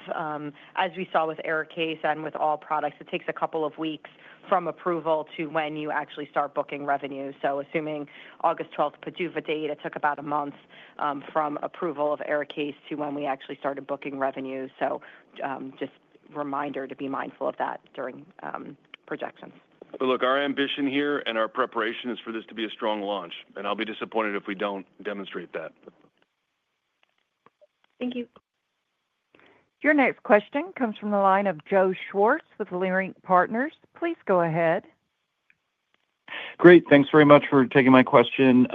as we saw with ARIKAYCE and with all products, it takes a couple of weeks from approval to when you actually start booking revenue. Assuming August 12th PDUFA date, it took about a month from approval of ARIKAYCE to when we actually started booking revenue. Just a reminder to be mindful of that during projections. Our ambition here and our preparation is for this to be a strong launch, and I'll be disappointed if we don't demonstrate that. Thank you. Your next question comes from the line of Joe Schwartz with Leerink Partners. Please go ahead. Great, thanks very much for taking my question.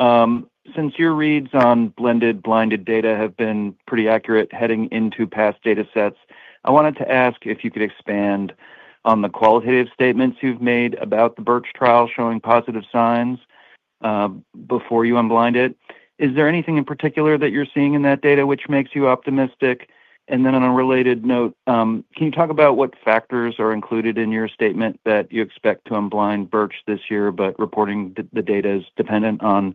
Since your reads on blended blinded data have been pretty accurate heading into past data sets, I wanted to ask if you could expand on the qualitative statements you've made about the BiRCh study showing positive signs before you unblind it. Is there anything in particular that you're seeing in that data which makes you optimistic? On a related note, can you talk about what factors are included in your statement that you expect to unblind BiRCh this year, but reporting the data is dependent on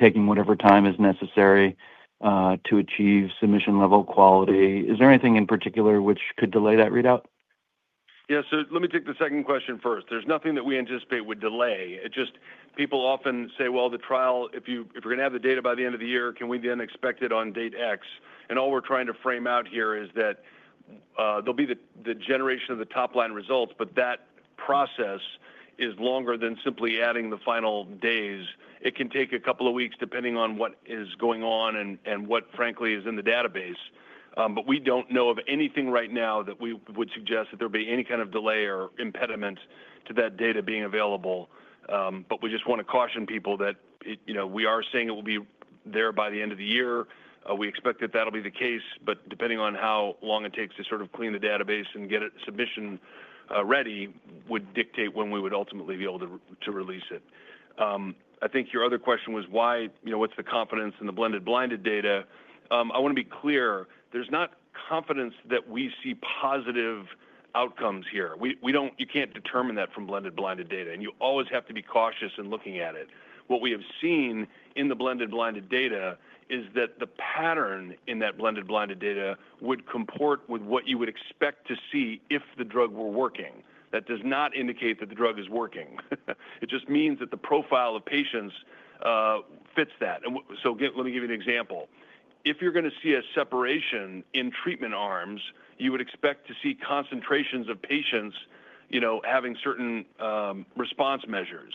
taking whatever time is necessary to achieve submission-level quality? Is there anything in particular which could delay that readout? Let me take the second question first. There's nothing that we anticipate would delay. People often say, if you're going to have the data by the end of the year, can we then expect it on date X? All we're trying to frame out here is that there'll be the generation of the top-line results, but that process is longer than simply adding the final days. It can take a couple of weeks depending on what is going on and what, frankly, is in the database. We don't know of anything right now that would suggest that there would be any kind of delay or impediment to that data being available. We just want to caution people that we are saying it will be there by the end of the year. We expect that that'll be the case, but depending on how long it takes to sort of clean the database and get a submission ready would dictate when we would ultimately be able to release it. I think your other question was why, what's the confidence in the blended blinded data? I want to be clear, there's not confidence that we see positive outcomes here. You can't determine that from blended blinded data, and you always have to be cautious in looking at it. What we have seen in the blended blinded data is that the pattern in that blended blinded data would comport with what you would expect to see if the drug were working. That does not indicate that the drug is working. It just means that the profile of patients fits that. Let me give you an example. If you're going to see a separation in treatment arms, you would expect to see concentrations of patients having certain response measures.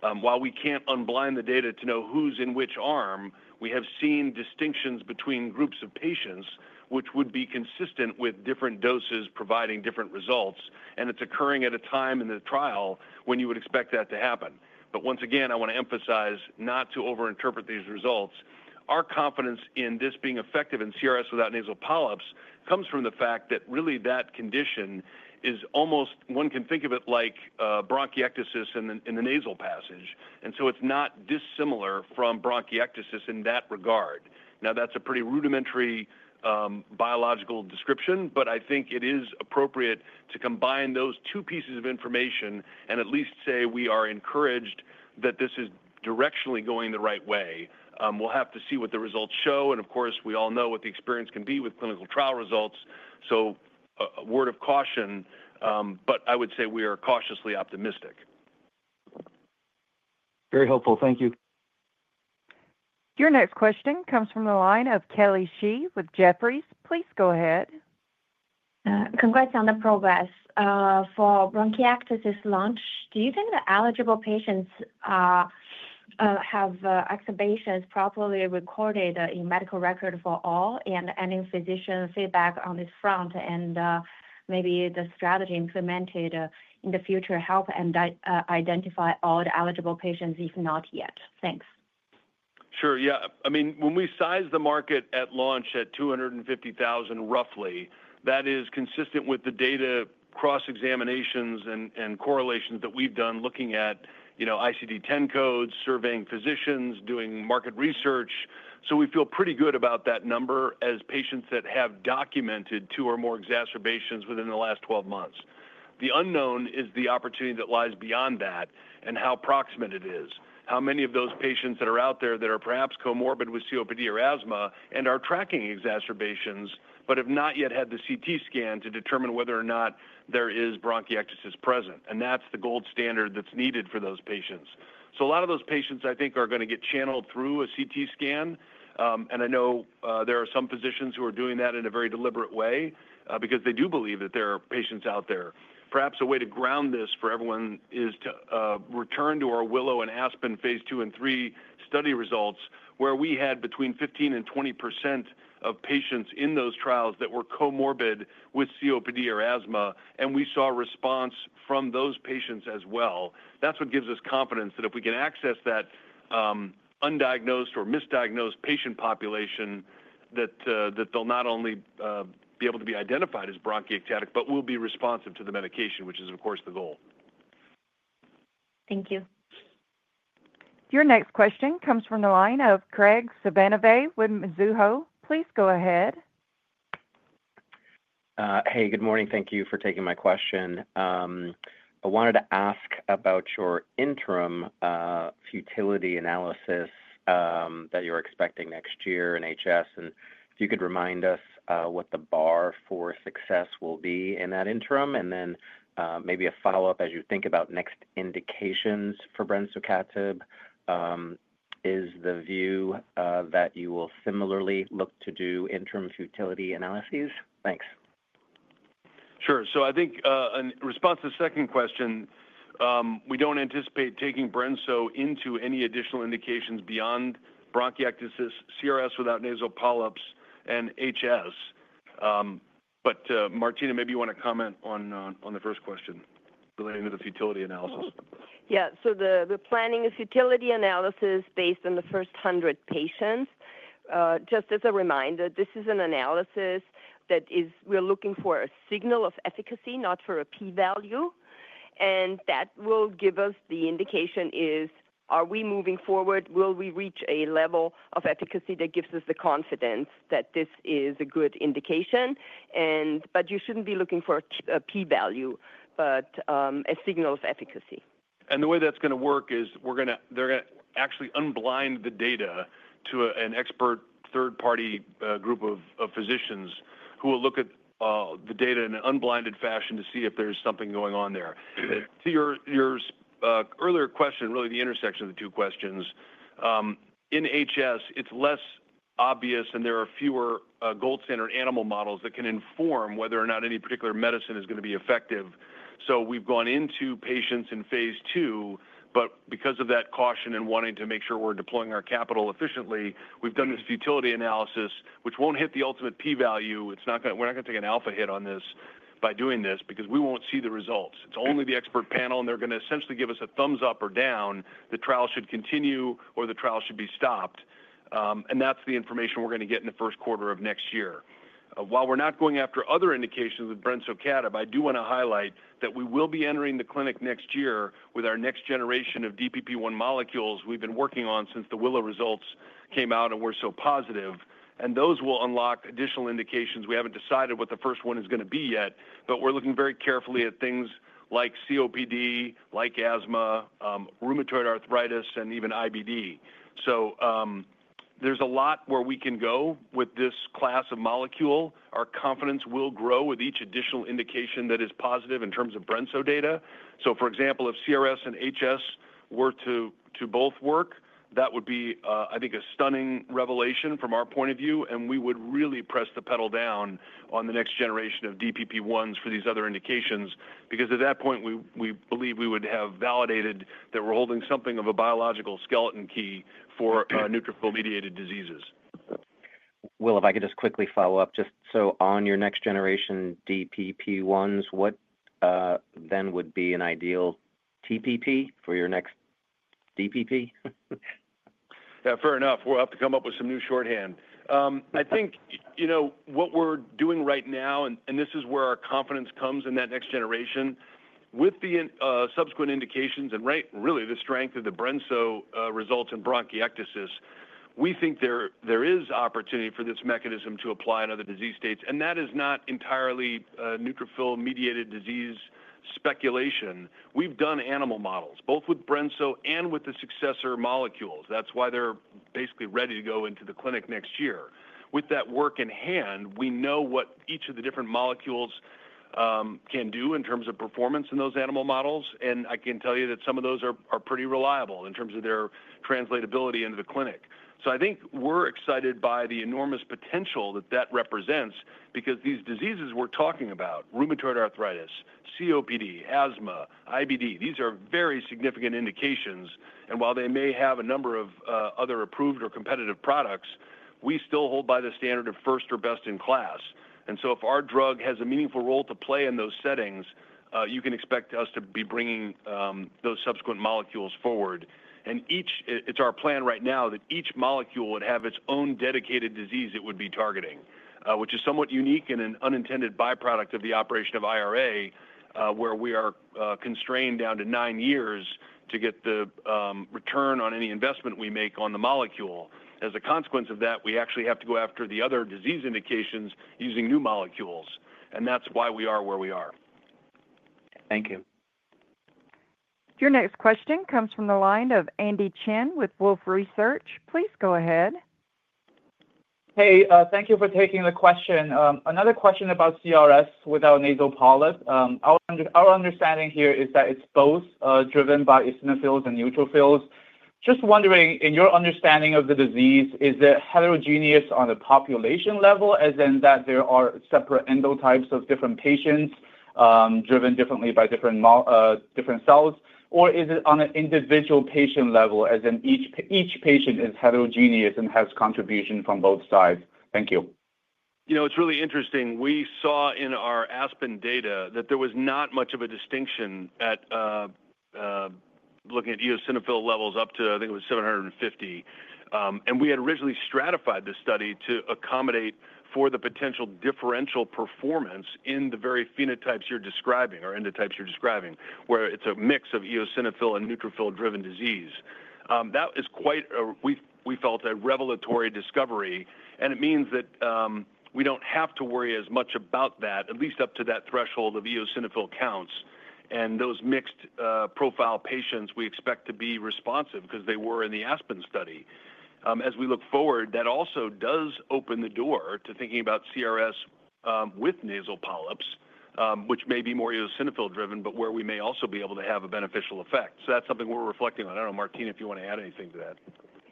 While we can't unblind the data to know who's in which arm, we have seen distinctions between groups of patients, which would be consistent with different doses providing different results. It's occurring at a time in the trial when you would expect that to happen. Once again, I want to emphasize not to overinterpret these results. Our confidence in this being effective in CRS without nasal polyps comes from the fact that really that condition is almost, one can think of it like bronchiectasis in the nasal passage. It's not dissimilar from bronchiectasis in that regard. That's a pretty rudimentary biological description, but I think it is appropriate to combine those two pieces of information and at least say we are encouraged that this is directionally going the right way. We'll have to see what the results show, and of course, we all know what the experience can be with clinical trial results. A word of caution, but I would say we are cautiously optimistic. Very helpful, thank you. Your next question comes from the line of Kelly Shi with Jefferies. Please go ahead. Congrats on the progress for bronchiectasis launch. Do you think the eligible patients have exacerbations properly recorded in medical record for all, and any physician feedback on this front? Maybe the strategy implemented in the future could help and identify all the eligible patients if not yet. Thanks. Sure, yeah. I mean, when we sized the market at launch at 250,000 roughly, that is consistent with the data cross-examinations and correlations that we've done looking at, you know, ICD-10 codes, surveying physicians, doing market research. We feel pretty good about that number as patients that have documented two or more exacerbations within the last 12 months. The unknown is the opportunity that lies beyond that and how proximate it is. How many of those patients that are out there that are perhaps comorbid with COPD or asthma and are tracking exacerbations, but have not yet had the CT scan to determine whether or not there is bronchiectasis present? That's the gold standard that's needed for those patients. A lot of those patients, I think, are going to get channeled through a CT scan. I know there are some physicians who are doing that in a very deliberate way because they do believe that there are patients out there. Perhaps a way to ground this for everyone is to return to our Willow and ASPEN Phase 2 and 3 study results where we had between 15% and 20% of patients in those trials that were comorbid with COPD or asthma, and we saw response from those patients as well. That's what gives us confidence that if we can access that undiagnosed or misdiagnosed patient population that they'll not only be able to be identified as bronchiectatic, but will be responsive to the medication, which is, of course, the goal. Thank you. Your next question comes from the line of Craig Suvannavejh with Mizuho. Please go ahead. Hey, good morning. Thank you for taking my question. I wanted to ask about your interim futility analysis that you're expecting next year in HS. If you could remind us what the bar for success will be in that interim. Maybe a follow-up as you think about next indications for brensocatib. Is the view that you will similarly look to do interim futility analyses? Thanks. Sure. I think in response to the second question, we don't anticipate taking brensocatib into any additional indications beyond non-cystic fibrosis bronchiectasis, chronic rhinosinusitis without nasal polyps, and hidradenitis suppurativa. Martina, maybe you want to comment on the first question relating to the futility analysis. Yeah, so the planning is futility analysis based on the first 100 patients. Just as a reminder, this is an analysis that is we're looking for a signal of efficacy, not for a P-value. That will give us the indication is, are we moving forward? Will we reach a level of efficacy that gives us the confidence that this is a good indication? You shouldn't be looking for a P-value, but a signal of efficacy. The way that's going to work is they're going to actually unblind the data to an expert third-party group of physicians who will look at the data in an unblinded fashion to see if there's something going on there. To your earlier question, really the intersection of the two questions, in HS, it's less obvious and there are fewer gold standard animal models that can inform whether or not any particular medicine is going to be effective. We've gone into patients in phase two, but because of that caution and wanting to make sure we're deploying our capital efficiently, we've done this futility analysis, which won't hit the ultimate P-value. We're not going to take an alpha hit on this by doing this because we won't see the results. It's only the expert panel and they're going to essentially give us a thumbs up or down. The trial should continue or the trial should be stopped. That's the information we're going to get in the first quarter of next year. We're not going after other indications with brensocatib, but I do want to highlight that we will be entering the clinic next year with our next generation of DPP-1 molecules we've been working on since the Willow results came out and were so positive. Those will unlock additional indications. We haven't decided what the first one is going to be yet, but we're looking very carefully at things like COPD, like asthma, rheumatoid arthritis, and even IBD. There's a lot where we can go with this class of molecule. Our confidence will grow with each additional indication that is positive in terms of brensocatib data. For example, if chronic rhinosinusitis and hidradenitis suppurativa were to both work, that would be, I think, a stunning revelation from our point of view, and we would really press the pedal down on the next generation of DPP-1s for these other indications because at that point, we believe we would have validated that we're holding something of a biological skeleton key for neutrophil-mediated diseases. Will, if I could just quickly follow up, on your next generation DPP-1s, what would be an ideal TPP for your next DPP? Yeah, fair enough. We're about to come up with some new shorthand. I think, you know, what we're doing right now, and this is where our confidence comes in that next generation, with the subsequent indications and really the strength of the brensocatib results in bronchiectasis, we think there is opportunity for this mechanism to apply in other disease states. That is not entirely neutrophil-mediated disease speculation. We've done animal models, both with brensocatib and with the successor molecules. That's why they're basically ready to go into the clinic next year. With that work in hand, we know what each of the different molecules can do in terms of performance in those animal models. I can tell you that some of those are pretty reliable in terms of their translatability into the clinic. I think we're excited by the enormous potential that that represents because these diseases we're talking about, rheumatoid arthritis, COPD, asthma, IBD, these are very significant indications. While they may have a number of other approved or competitive products, we still hold by the standard of first or best-in-class. If our drug has a meaningful role to play in those settings, you can expect us to be bringing those subsequent molecules forward. It's our plan right now that each molecule would have its own dedicated disease it would be targeting, which is somewhat unique and an unintended byproduct of the operation of IRA, where we are constrained down to nine years to get the return on any investment we make on the molecule. As a consequence of that, we actually have to go after the other disease indications using new molecules. That's why we are where we are. Thank you. Your next question comes from the line of Andy Chen with Wolfe Research. Please go ahead. Hey, thank you for taking the question. Another question about CRS without nasal polyps. Our understanding here is that it's both driven by eosinophils and neutrophils. Just wondering, in your understanding of the disease, is it heterogeneous on a population level, as in that there are separate endotypes of different patients driven differently by different cells? Or is it on an individual patient level, as in each patient is heterogeneous and has contribution from both sides? Thank you. You know, it's really interesting. We saw in our ASPEN data that there was not much of a distinction at looking at eosinophil levels up to, I think it was 750. We had originally stratified this study to accommodate for the potential differential performance in the very phenotypes you're describing, or endotypes you're describing, where it's a mix of eosinophil and neutrophil-driven disease. That is quite, we felt, a revelatory discovery. It means that we don't have to worry as much about that, at least up to that threshold of eosinophil counts. Those mixed profile patients we expect to be responsive because they were in the ASPEN study. As we look forward, that also does open the door to thinking about CRS with nasal polyps, which may be more eosinophil-driven, but where we may also be able to have a beneficial effect. That's something we're reflecting on. I don't know, Martina, if you want to add anything to that.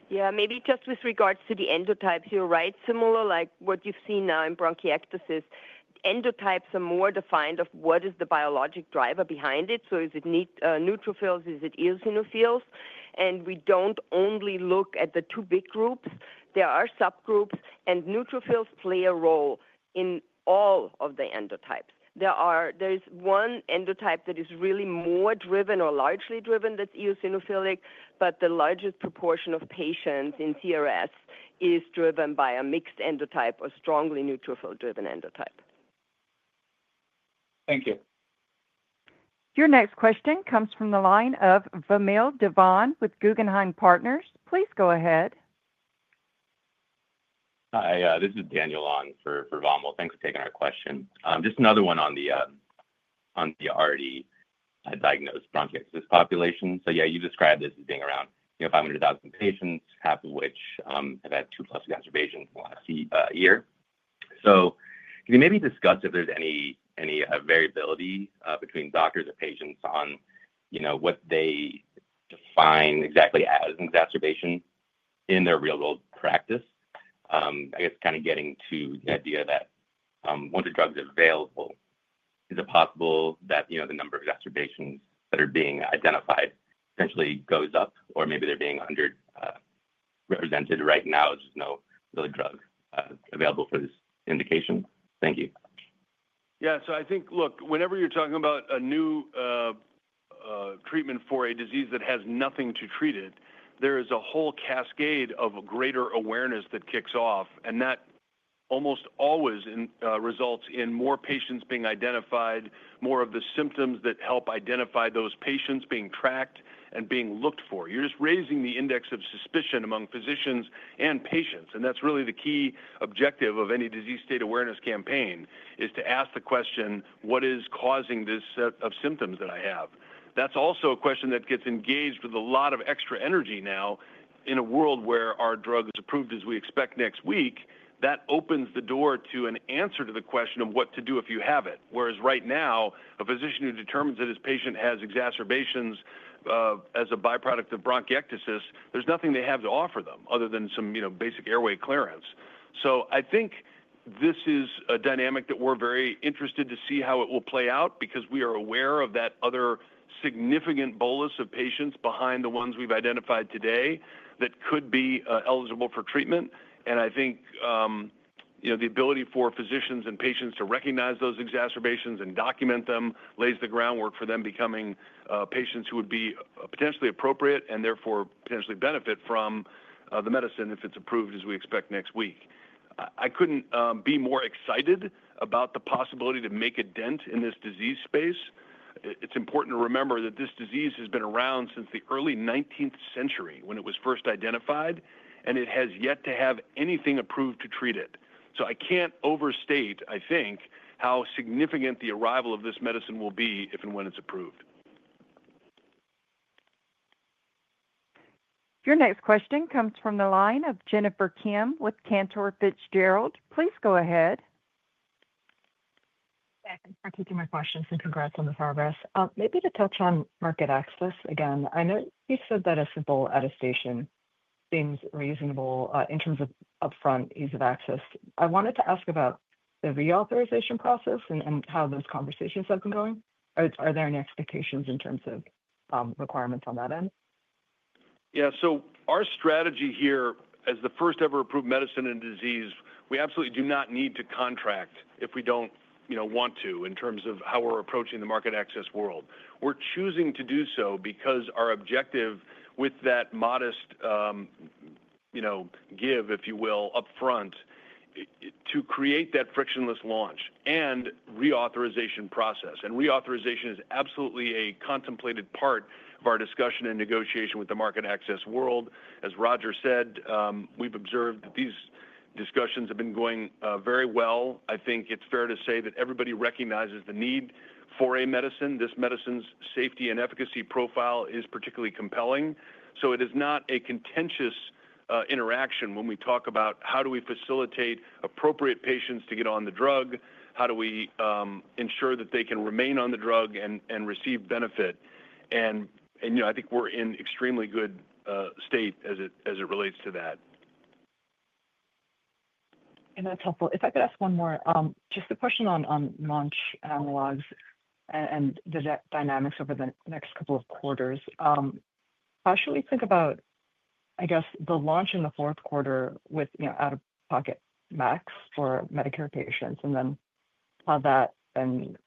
Yeah, maybe just with regards to the endotypes, you're right. Similar like what you've seen now in bronchiectasis, endotypes are more defined of what is the biologic driver behind it. Is it neutrophils? Is it eosinophils? We don't only look at the two big groups. There are subgroups, and neutrophils play a role in all of the endotypes. There is one endotype that is really more driven or largely driven that's eosinophilic, but the largest proportion of patients in chronic rhinosinusitis is driven by a mixed endotype or strongly neutrophil-driven endotype. Thank you. Your next question comes from the line of Vamil Divan with Guggenheim Partners. Please go ahead. Hi, this is Daniel on for Vamil. Thanks for taking our question. Just another one on the already diagnosed bronchiectasis population. You described this as being around 500,000 patients, half of which have had 2+ exacerbations in the last year. Can you maybe discuss if there's any variability between doctors or patients on what they define exactly as an exacerbation in their real-world practice? I guess kind of getting to the idea that once a drug is available, is it possible that the number of exacerbations that are being identified potentially goes up or maybe they're being underrepresented right now? There's no drug available for this indication. Thank you. Yeah, I think, look, whenever you're talking about a new treatment for a disease that has nothing to treat it, there is a whole cascade of greater awareness that kicks off. That almost always results in more patients being identified, more of the symptoms that help identify those patients being tracked and being looked for. You're just raising the index of suspicion among physicians and patients. That's really the key objective of any disease state awareness campaign, to ask the question, what is causing this set of symptoms that I have? That's also a question that gets engaged with a lot of extra energy now in a world where our drug is approved as we expect next week. That opens the door to an answer to the question of what to do if you have it. Whereas right now, a physician who determines that his patient has exacerbations as a byproduct of bronchiectasis, there's nothing they have to offer them other than some basic airway clearance. I think this is a dynamic that we're very interested to see how it will play out because we are aware of that other significant bolus of patients behind the ones we've identified today that could be eligible for treatment. I think the ability for physicians and patients to recognize those exacerbations and document them lays the groundwork for them becoming patients who would be potentially appropriate and therefore potentially benefit from the medicine if it's approved as we expect next week. I couldn't be more excited about the possibility to make a dent in this disease space. It's important to remember that this disease has been around since the early 19th century when it was first identified, and it has yet to have anything approved to treat it. I can't overstate, I think, how significant the arrival of this medicine will be if and when it's approved. Your next question comes from the line of Jennifer Kim with Cantor Fitzgerald. Please go ahead. Thank you for taking my questions and congrats on the progress. Maybe to touch on market access again, I know you said that a simple attestation seems reasonable in terms of upfront ease of access. I wanted to ask about the reauthorization process and how those conversations have been going. Are there any expectations in terms of requirements on that end? Yeah, so our strategy here as the first ever approved medicine in disease, we absolutely do not need to contract if we don't want to in terms of how we're approaching the market access world. We're choosing to do so because our objective with that modest, you know, give, if you will, upfront to create that frictionless launch and reauthorization process. Reauthorization is absolutely a contemplated part of our discussion and negotiation with the market access world. As Roger said, we've observed that these discussions have been going very well. I think it's fair to say that everybody recognizes the need for a medicine. This medicine's safety and efficacy profile is particularly compelling. It is not a contentious interaction when we talk about how do we facilitate appropriate patients to get on the drug. How do we ensure that they can remain on the drug and receive benefit? I think we're in an extremely good state as it relates to that. That's helpful. If I could ask one more, just a question on launch analogs and the dynamics over the next couple of quarters. How should we think about, I guess, the launch in the fourth quarter with out-of-pocket max for Medicare patients, and then how that then,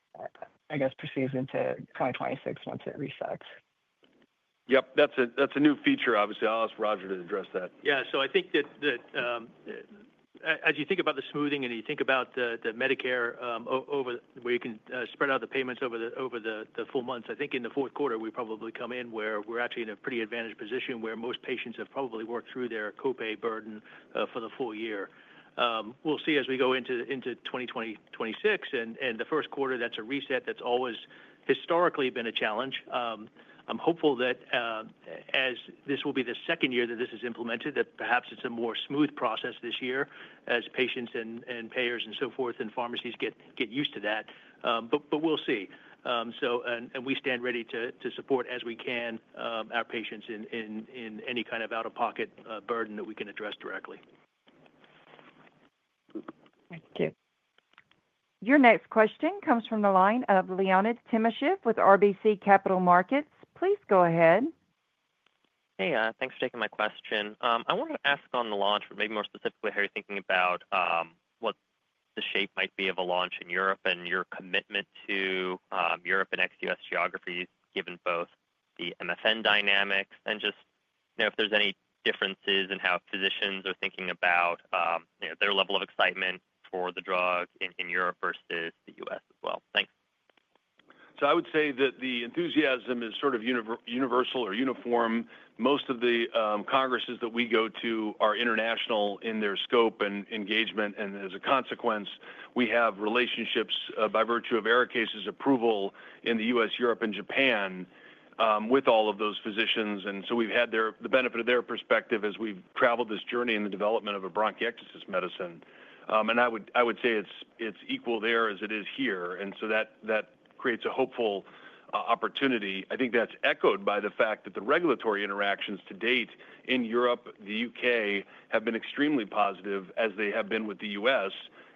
I guess, proceeds into 2026 once it resets? Yep, that's a new feature, obviously. I'll ask Roger to address that. I think that as you think about the smoothing and you think about the Medicare over where you can spread out the payments over the full months, in the fourth quarter we've probably come in where we're actually in a pretty advantaged position where most patients have probably worked through their copay burden for the full year. We'll see as we go into 2026 and the first quarter, that's a reset that's always historically been a challenge. I'm hopeful that as this will be the second year that this is implemented, perhaps it's a more smooth process this year as patients and payers and so forth and pharmacies get used to that. We'll see. We stand ready to support as we can our patients in any kind of out-of-pocket burden that we can address directly. Thank you. Your next question comes from the line of Leonid Timashev with RBC Capital Markets. Please go ahead. Hey, thanks for taking my question. I wanted to ask on the launch, maybe more specifically how you're thinking about what the shape might be of a launch in Europe and your commitment to Europe and ex-U.S. geographies, given both the MFN dynamics and if there's any differences in how physicians are thinking about their level of excitement for the drug in Europe versus the U.S. as well. Thanks. I would say that the enthusiasm is sort of universal or uniform. Most of the congresses that we go to are international in their scope and engagement. As a consequence, we have relationships by virtue of ARIKAYCE's approval in the U.S., Europe, and Japan with all of those physicians. We've had the benefit of their perspective as we've traveled this journey in the development of a bronchiectasis medicine. I would say it's equal there as it is here, and that creates a hopeful opportunity. I think that's echoed by the fact that the regulatory interactions to date in Europe and the U.K. have been extremely positive, as they have been with the U.S.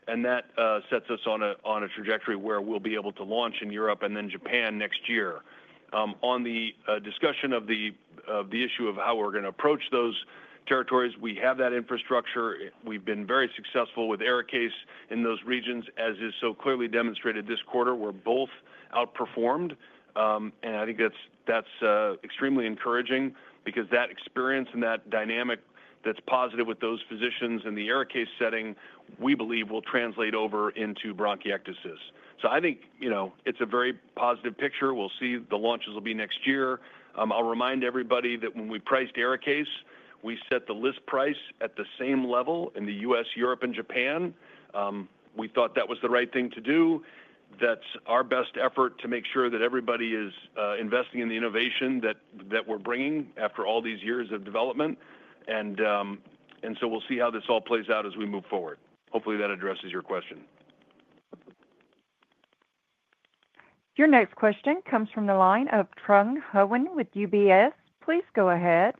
That sets us on a trajectory where we'll be able to launch in Europe and then Japan next year. On the discussion of the issue of how we're going to approach those territories, we have that infrastructure. We've been very successful with ARIKAYCE in those regions, as is so clearly demonstrated this quarter. We both outperformed, and I think that's extremely encouraging because that experience and that dynamic that's positive with those physicians in the ARIKAYCE setting, we believe will translate over into bronchiectasis. I think it's a very positive picture. We'll see the launches will be next year. I'll remind everybody that when we priced ARIKAYCE, we set the list price at the same level in the U.S., Europe, and Japan. We thought that was the right thing to do. That's our best effort to make sure that everybody is investing in the innovation that we're bringing after all these years of development. We'll see how this all plays out as we move forward. Hopefully, that addresses your question. Your next question comes from the line of Trung Houen with UBS. Please go ahead.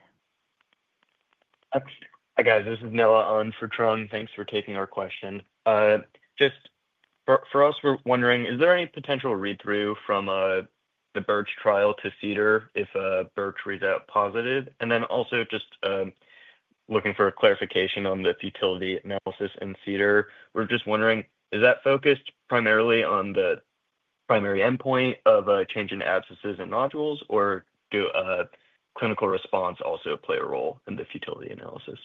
Hi guys, this is Nella Ng for Trung. Thanks for taking our question. Just for us, we're wondering, is there any potential read-through from the BiRCh study to CEDAR if BiRCh reads out positive? Also, just looking for clarification on the futility analysis in CEDAR. We're just wondering, is that focused primarily on the primary endpoint of a change in abscesses and nodules, or does a clinical response also play a role in the futility analysis?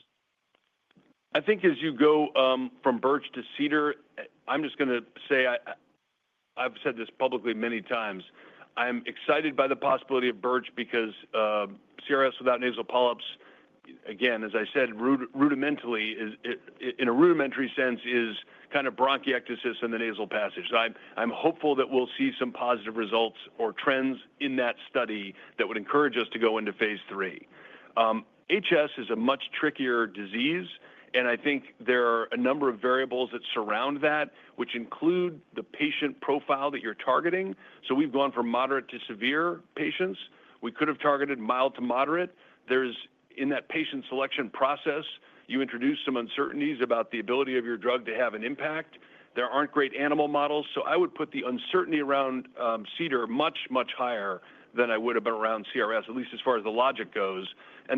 I think as you go from BiRCh to CEDAR, I'm just going to say, I've said this publicly many times, I'm excited by the possibility of BiRCh because CRS without nasal polyps, again, as I said, rudimentarily, in a rudimentary sense, is kind of bronchiectasis in the nasal passage. I'm hopeful that we'll see some positive results or trends in that study that would encourage us to go into phase three. HS is a much trickier disease, and I think there are a number of variables that surround that, which include the patient profile that you're targeting. We've gone from moderate to severe patients. We could have targeted mild to moderate. In that patient selection process, you introduce some uncertainties about the ability of your drug to have an impact. There aren't great animal models, so I would put the uncertainty around CEDAR much, much higher than I would have been around CRS, at least as far as the logic goes.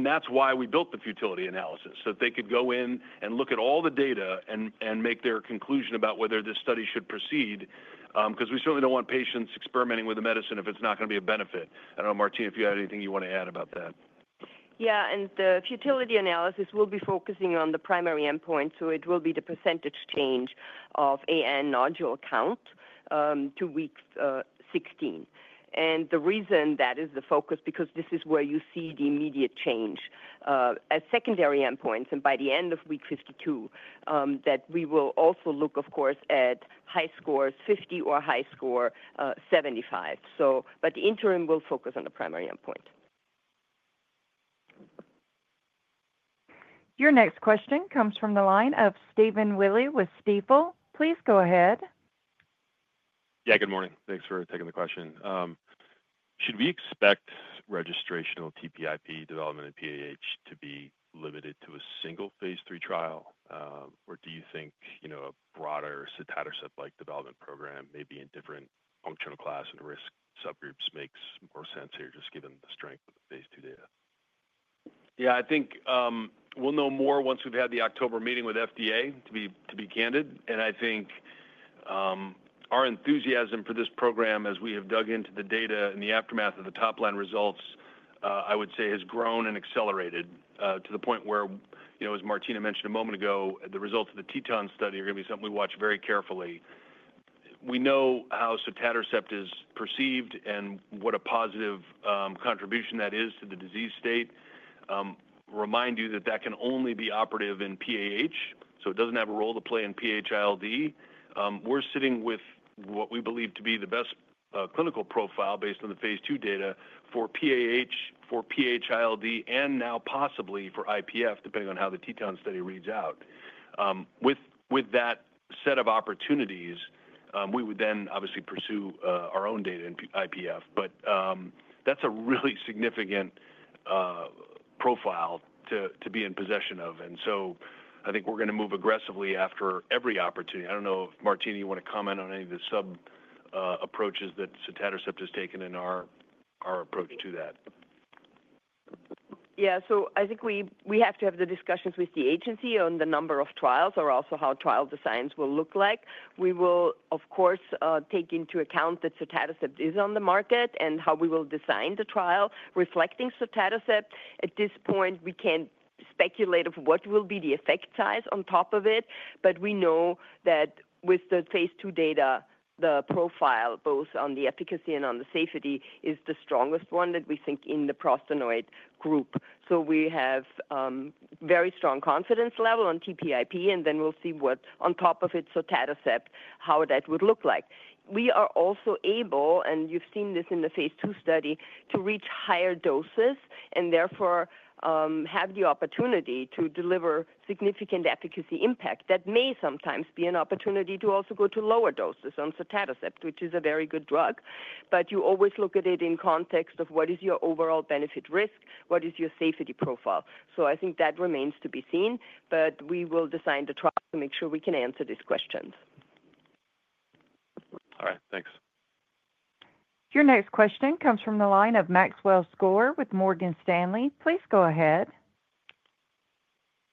That's why we built the futility analysis, so that they could go in and look at all the data and make their conclusion about whether this study should proceed, because we certainly don't want patients experimenting with the medicine if it's not going to be a benefit. I don't know, Martina, if you had anything you want to add about that. Yeah, the futility analysis will be focusing on the primary endpoint, so it will be the percentage change of AN nodule count to week 16. The reason that is the focus is because this is where you see the immediate change as secondary endpoints. By the end of week 52, we will also look, of course, at HiSCR 50 or HiSCR 75. The interim will focus on the primary endpoint. Your next question comes from the line ofStephen Willey with Stifel. Please go ahead. Yeah, good morning. Thanks for taking the question. Should we expect registrational TPIP development in PAH to be limited to a single Phase 3 trial, or do you think a broader sotatercept or sub-like development program maybe in different functional class and risk subgroups makes more sense here, just given the strength of the phase two data? Yeah, I think we'll know more once we've had the October meeting with FDA, to be candid. I think our enthusiasm for this program, as we have dug into the data in the aftermath of the top-line results, has grown and accelerated to the point where, you know, as Martina mentioned a moment ago, the results of the TTOM study are going to be something we watch very carefully. We know how subcutaneous or sub is perceived and what a positive contribution that is to the disease state. Remind you that that can only be operative in PAH, so it doesn't have a role to play in PH-ILD. We're sitting with what we believe to be the best clinical profile based on the phase two data for PAH, for PH-ILD, and now possibly for IPF, depending on how the TTOM study reads out. With that set of opportunities, we would then obviously pursue our own data in IPF. That's a really significant profile to be in possession of. I think we're going to move aggressively after every opportunity. I don't know, Martina, you want to comment on any of the sub approaches that subcutaneous or sub has taken in our approach to that? I think we have to have the discussions with the agency on the number of trials or also how trial designs will look like. We will, of course, take into account that selexipag or sub is on the market and how we will design the trial reflecting selexipag or sub. At this point, we can't speculate on what will be the effect size on top of it, but we know that with the phase two data, the profile both on the efficacy and on the safety is the strongest one that we think in the prostanoid group. We have a very strong confidence level on TPIP, and then we'll see what on top of selexipag or sub, how that would look like. We are also able, and you've seen this in the phase two study, to reach higher doses and therefore have the opportunity to deliver significant efficacy impact. That may sometimes be an opportunity to also go to lower doses on selexipag or sub, which is a very good drug. You always look at it in context of what is your overall benefit risk, what is your safety profile. I think that remains to be seen, but we will design the trial to make sure we can answer these questions. All right, thanks. Your next question comes from the line of Maxwell Skor with Morgan Stanley. Please go ahead.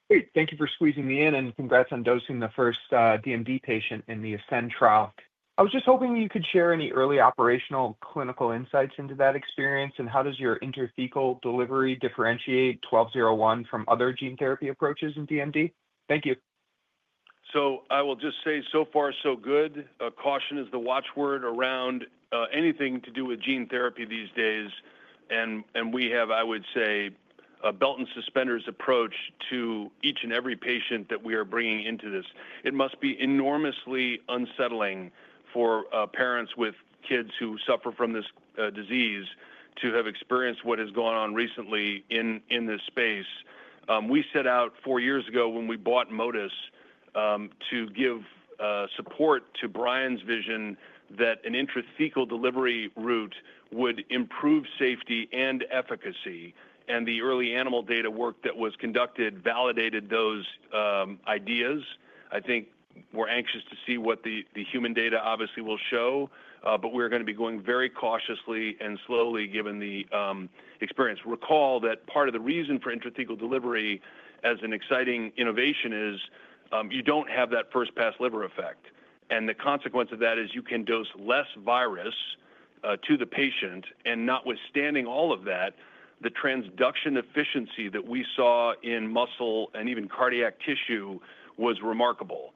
Thank you for squeezing me in, and congrats on dosing the first DMD patient in the ASCEND trial. I was just hoping you could share any early operational clinical insights into that experience, and how does your intrathecal delivery differentiate 1201 from other gene therapy approaches in DMD? Thank you. I will just say so far, so good. Caution is the watchword around anything to do with gene therapy these days. We have, I would say, a belt and suspenders approach to each and every patient that we are bringing into this. It must be enormously unsettling for parents with kids who suffer from this disease to have experienced what has gone on recently in this space. We set out four years ago when we bought Motus to give support to Brian's vision that an intrathecal delivery route would improve safety and efficacy. The early animal data work that was conducted validated those ideas. I think we're anxious to see what the human Data, obviously, will show, but we are going to be going very cautiously and slowly given the experience. Recall that part of the reason for intrathecal delivery as an exciting innovation is you don't have that first pass liver effect. The consequence of that is you can dose less virus to the patient. Notwithstanding all of that, the transduction efficiency that we saw in muscle and even cardiac tissue was remarkable.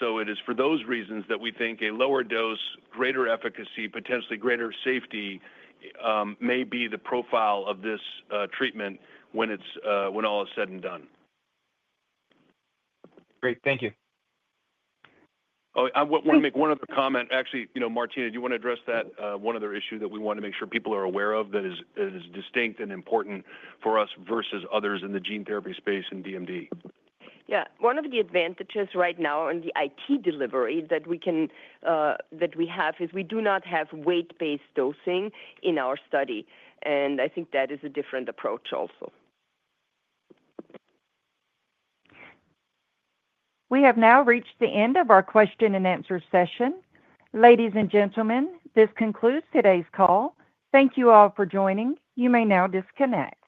For those reasons, we think a lower dose, greater efficacy, potentially greater safety may be the profile of this treatment when it's all said and done. Great, thank you. I want to make one other comment. Actually, Martina, do you want to address that one other issue that we want to make sure people are aware of that is distinct and important for us versus others in the gene therapy space in DMD? Yeah, one of the advantages right now in the IT delivery that we have is we do not have weight-based dosing in our study. I think that is a different approach also. We have now reached the end of our question and answer session. Ladies and gentlemen, this concludes today's call. Thank you all for joining. You may now disconnect.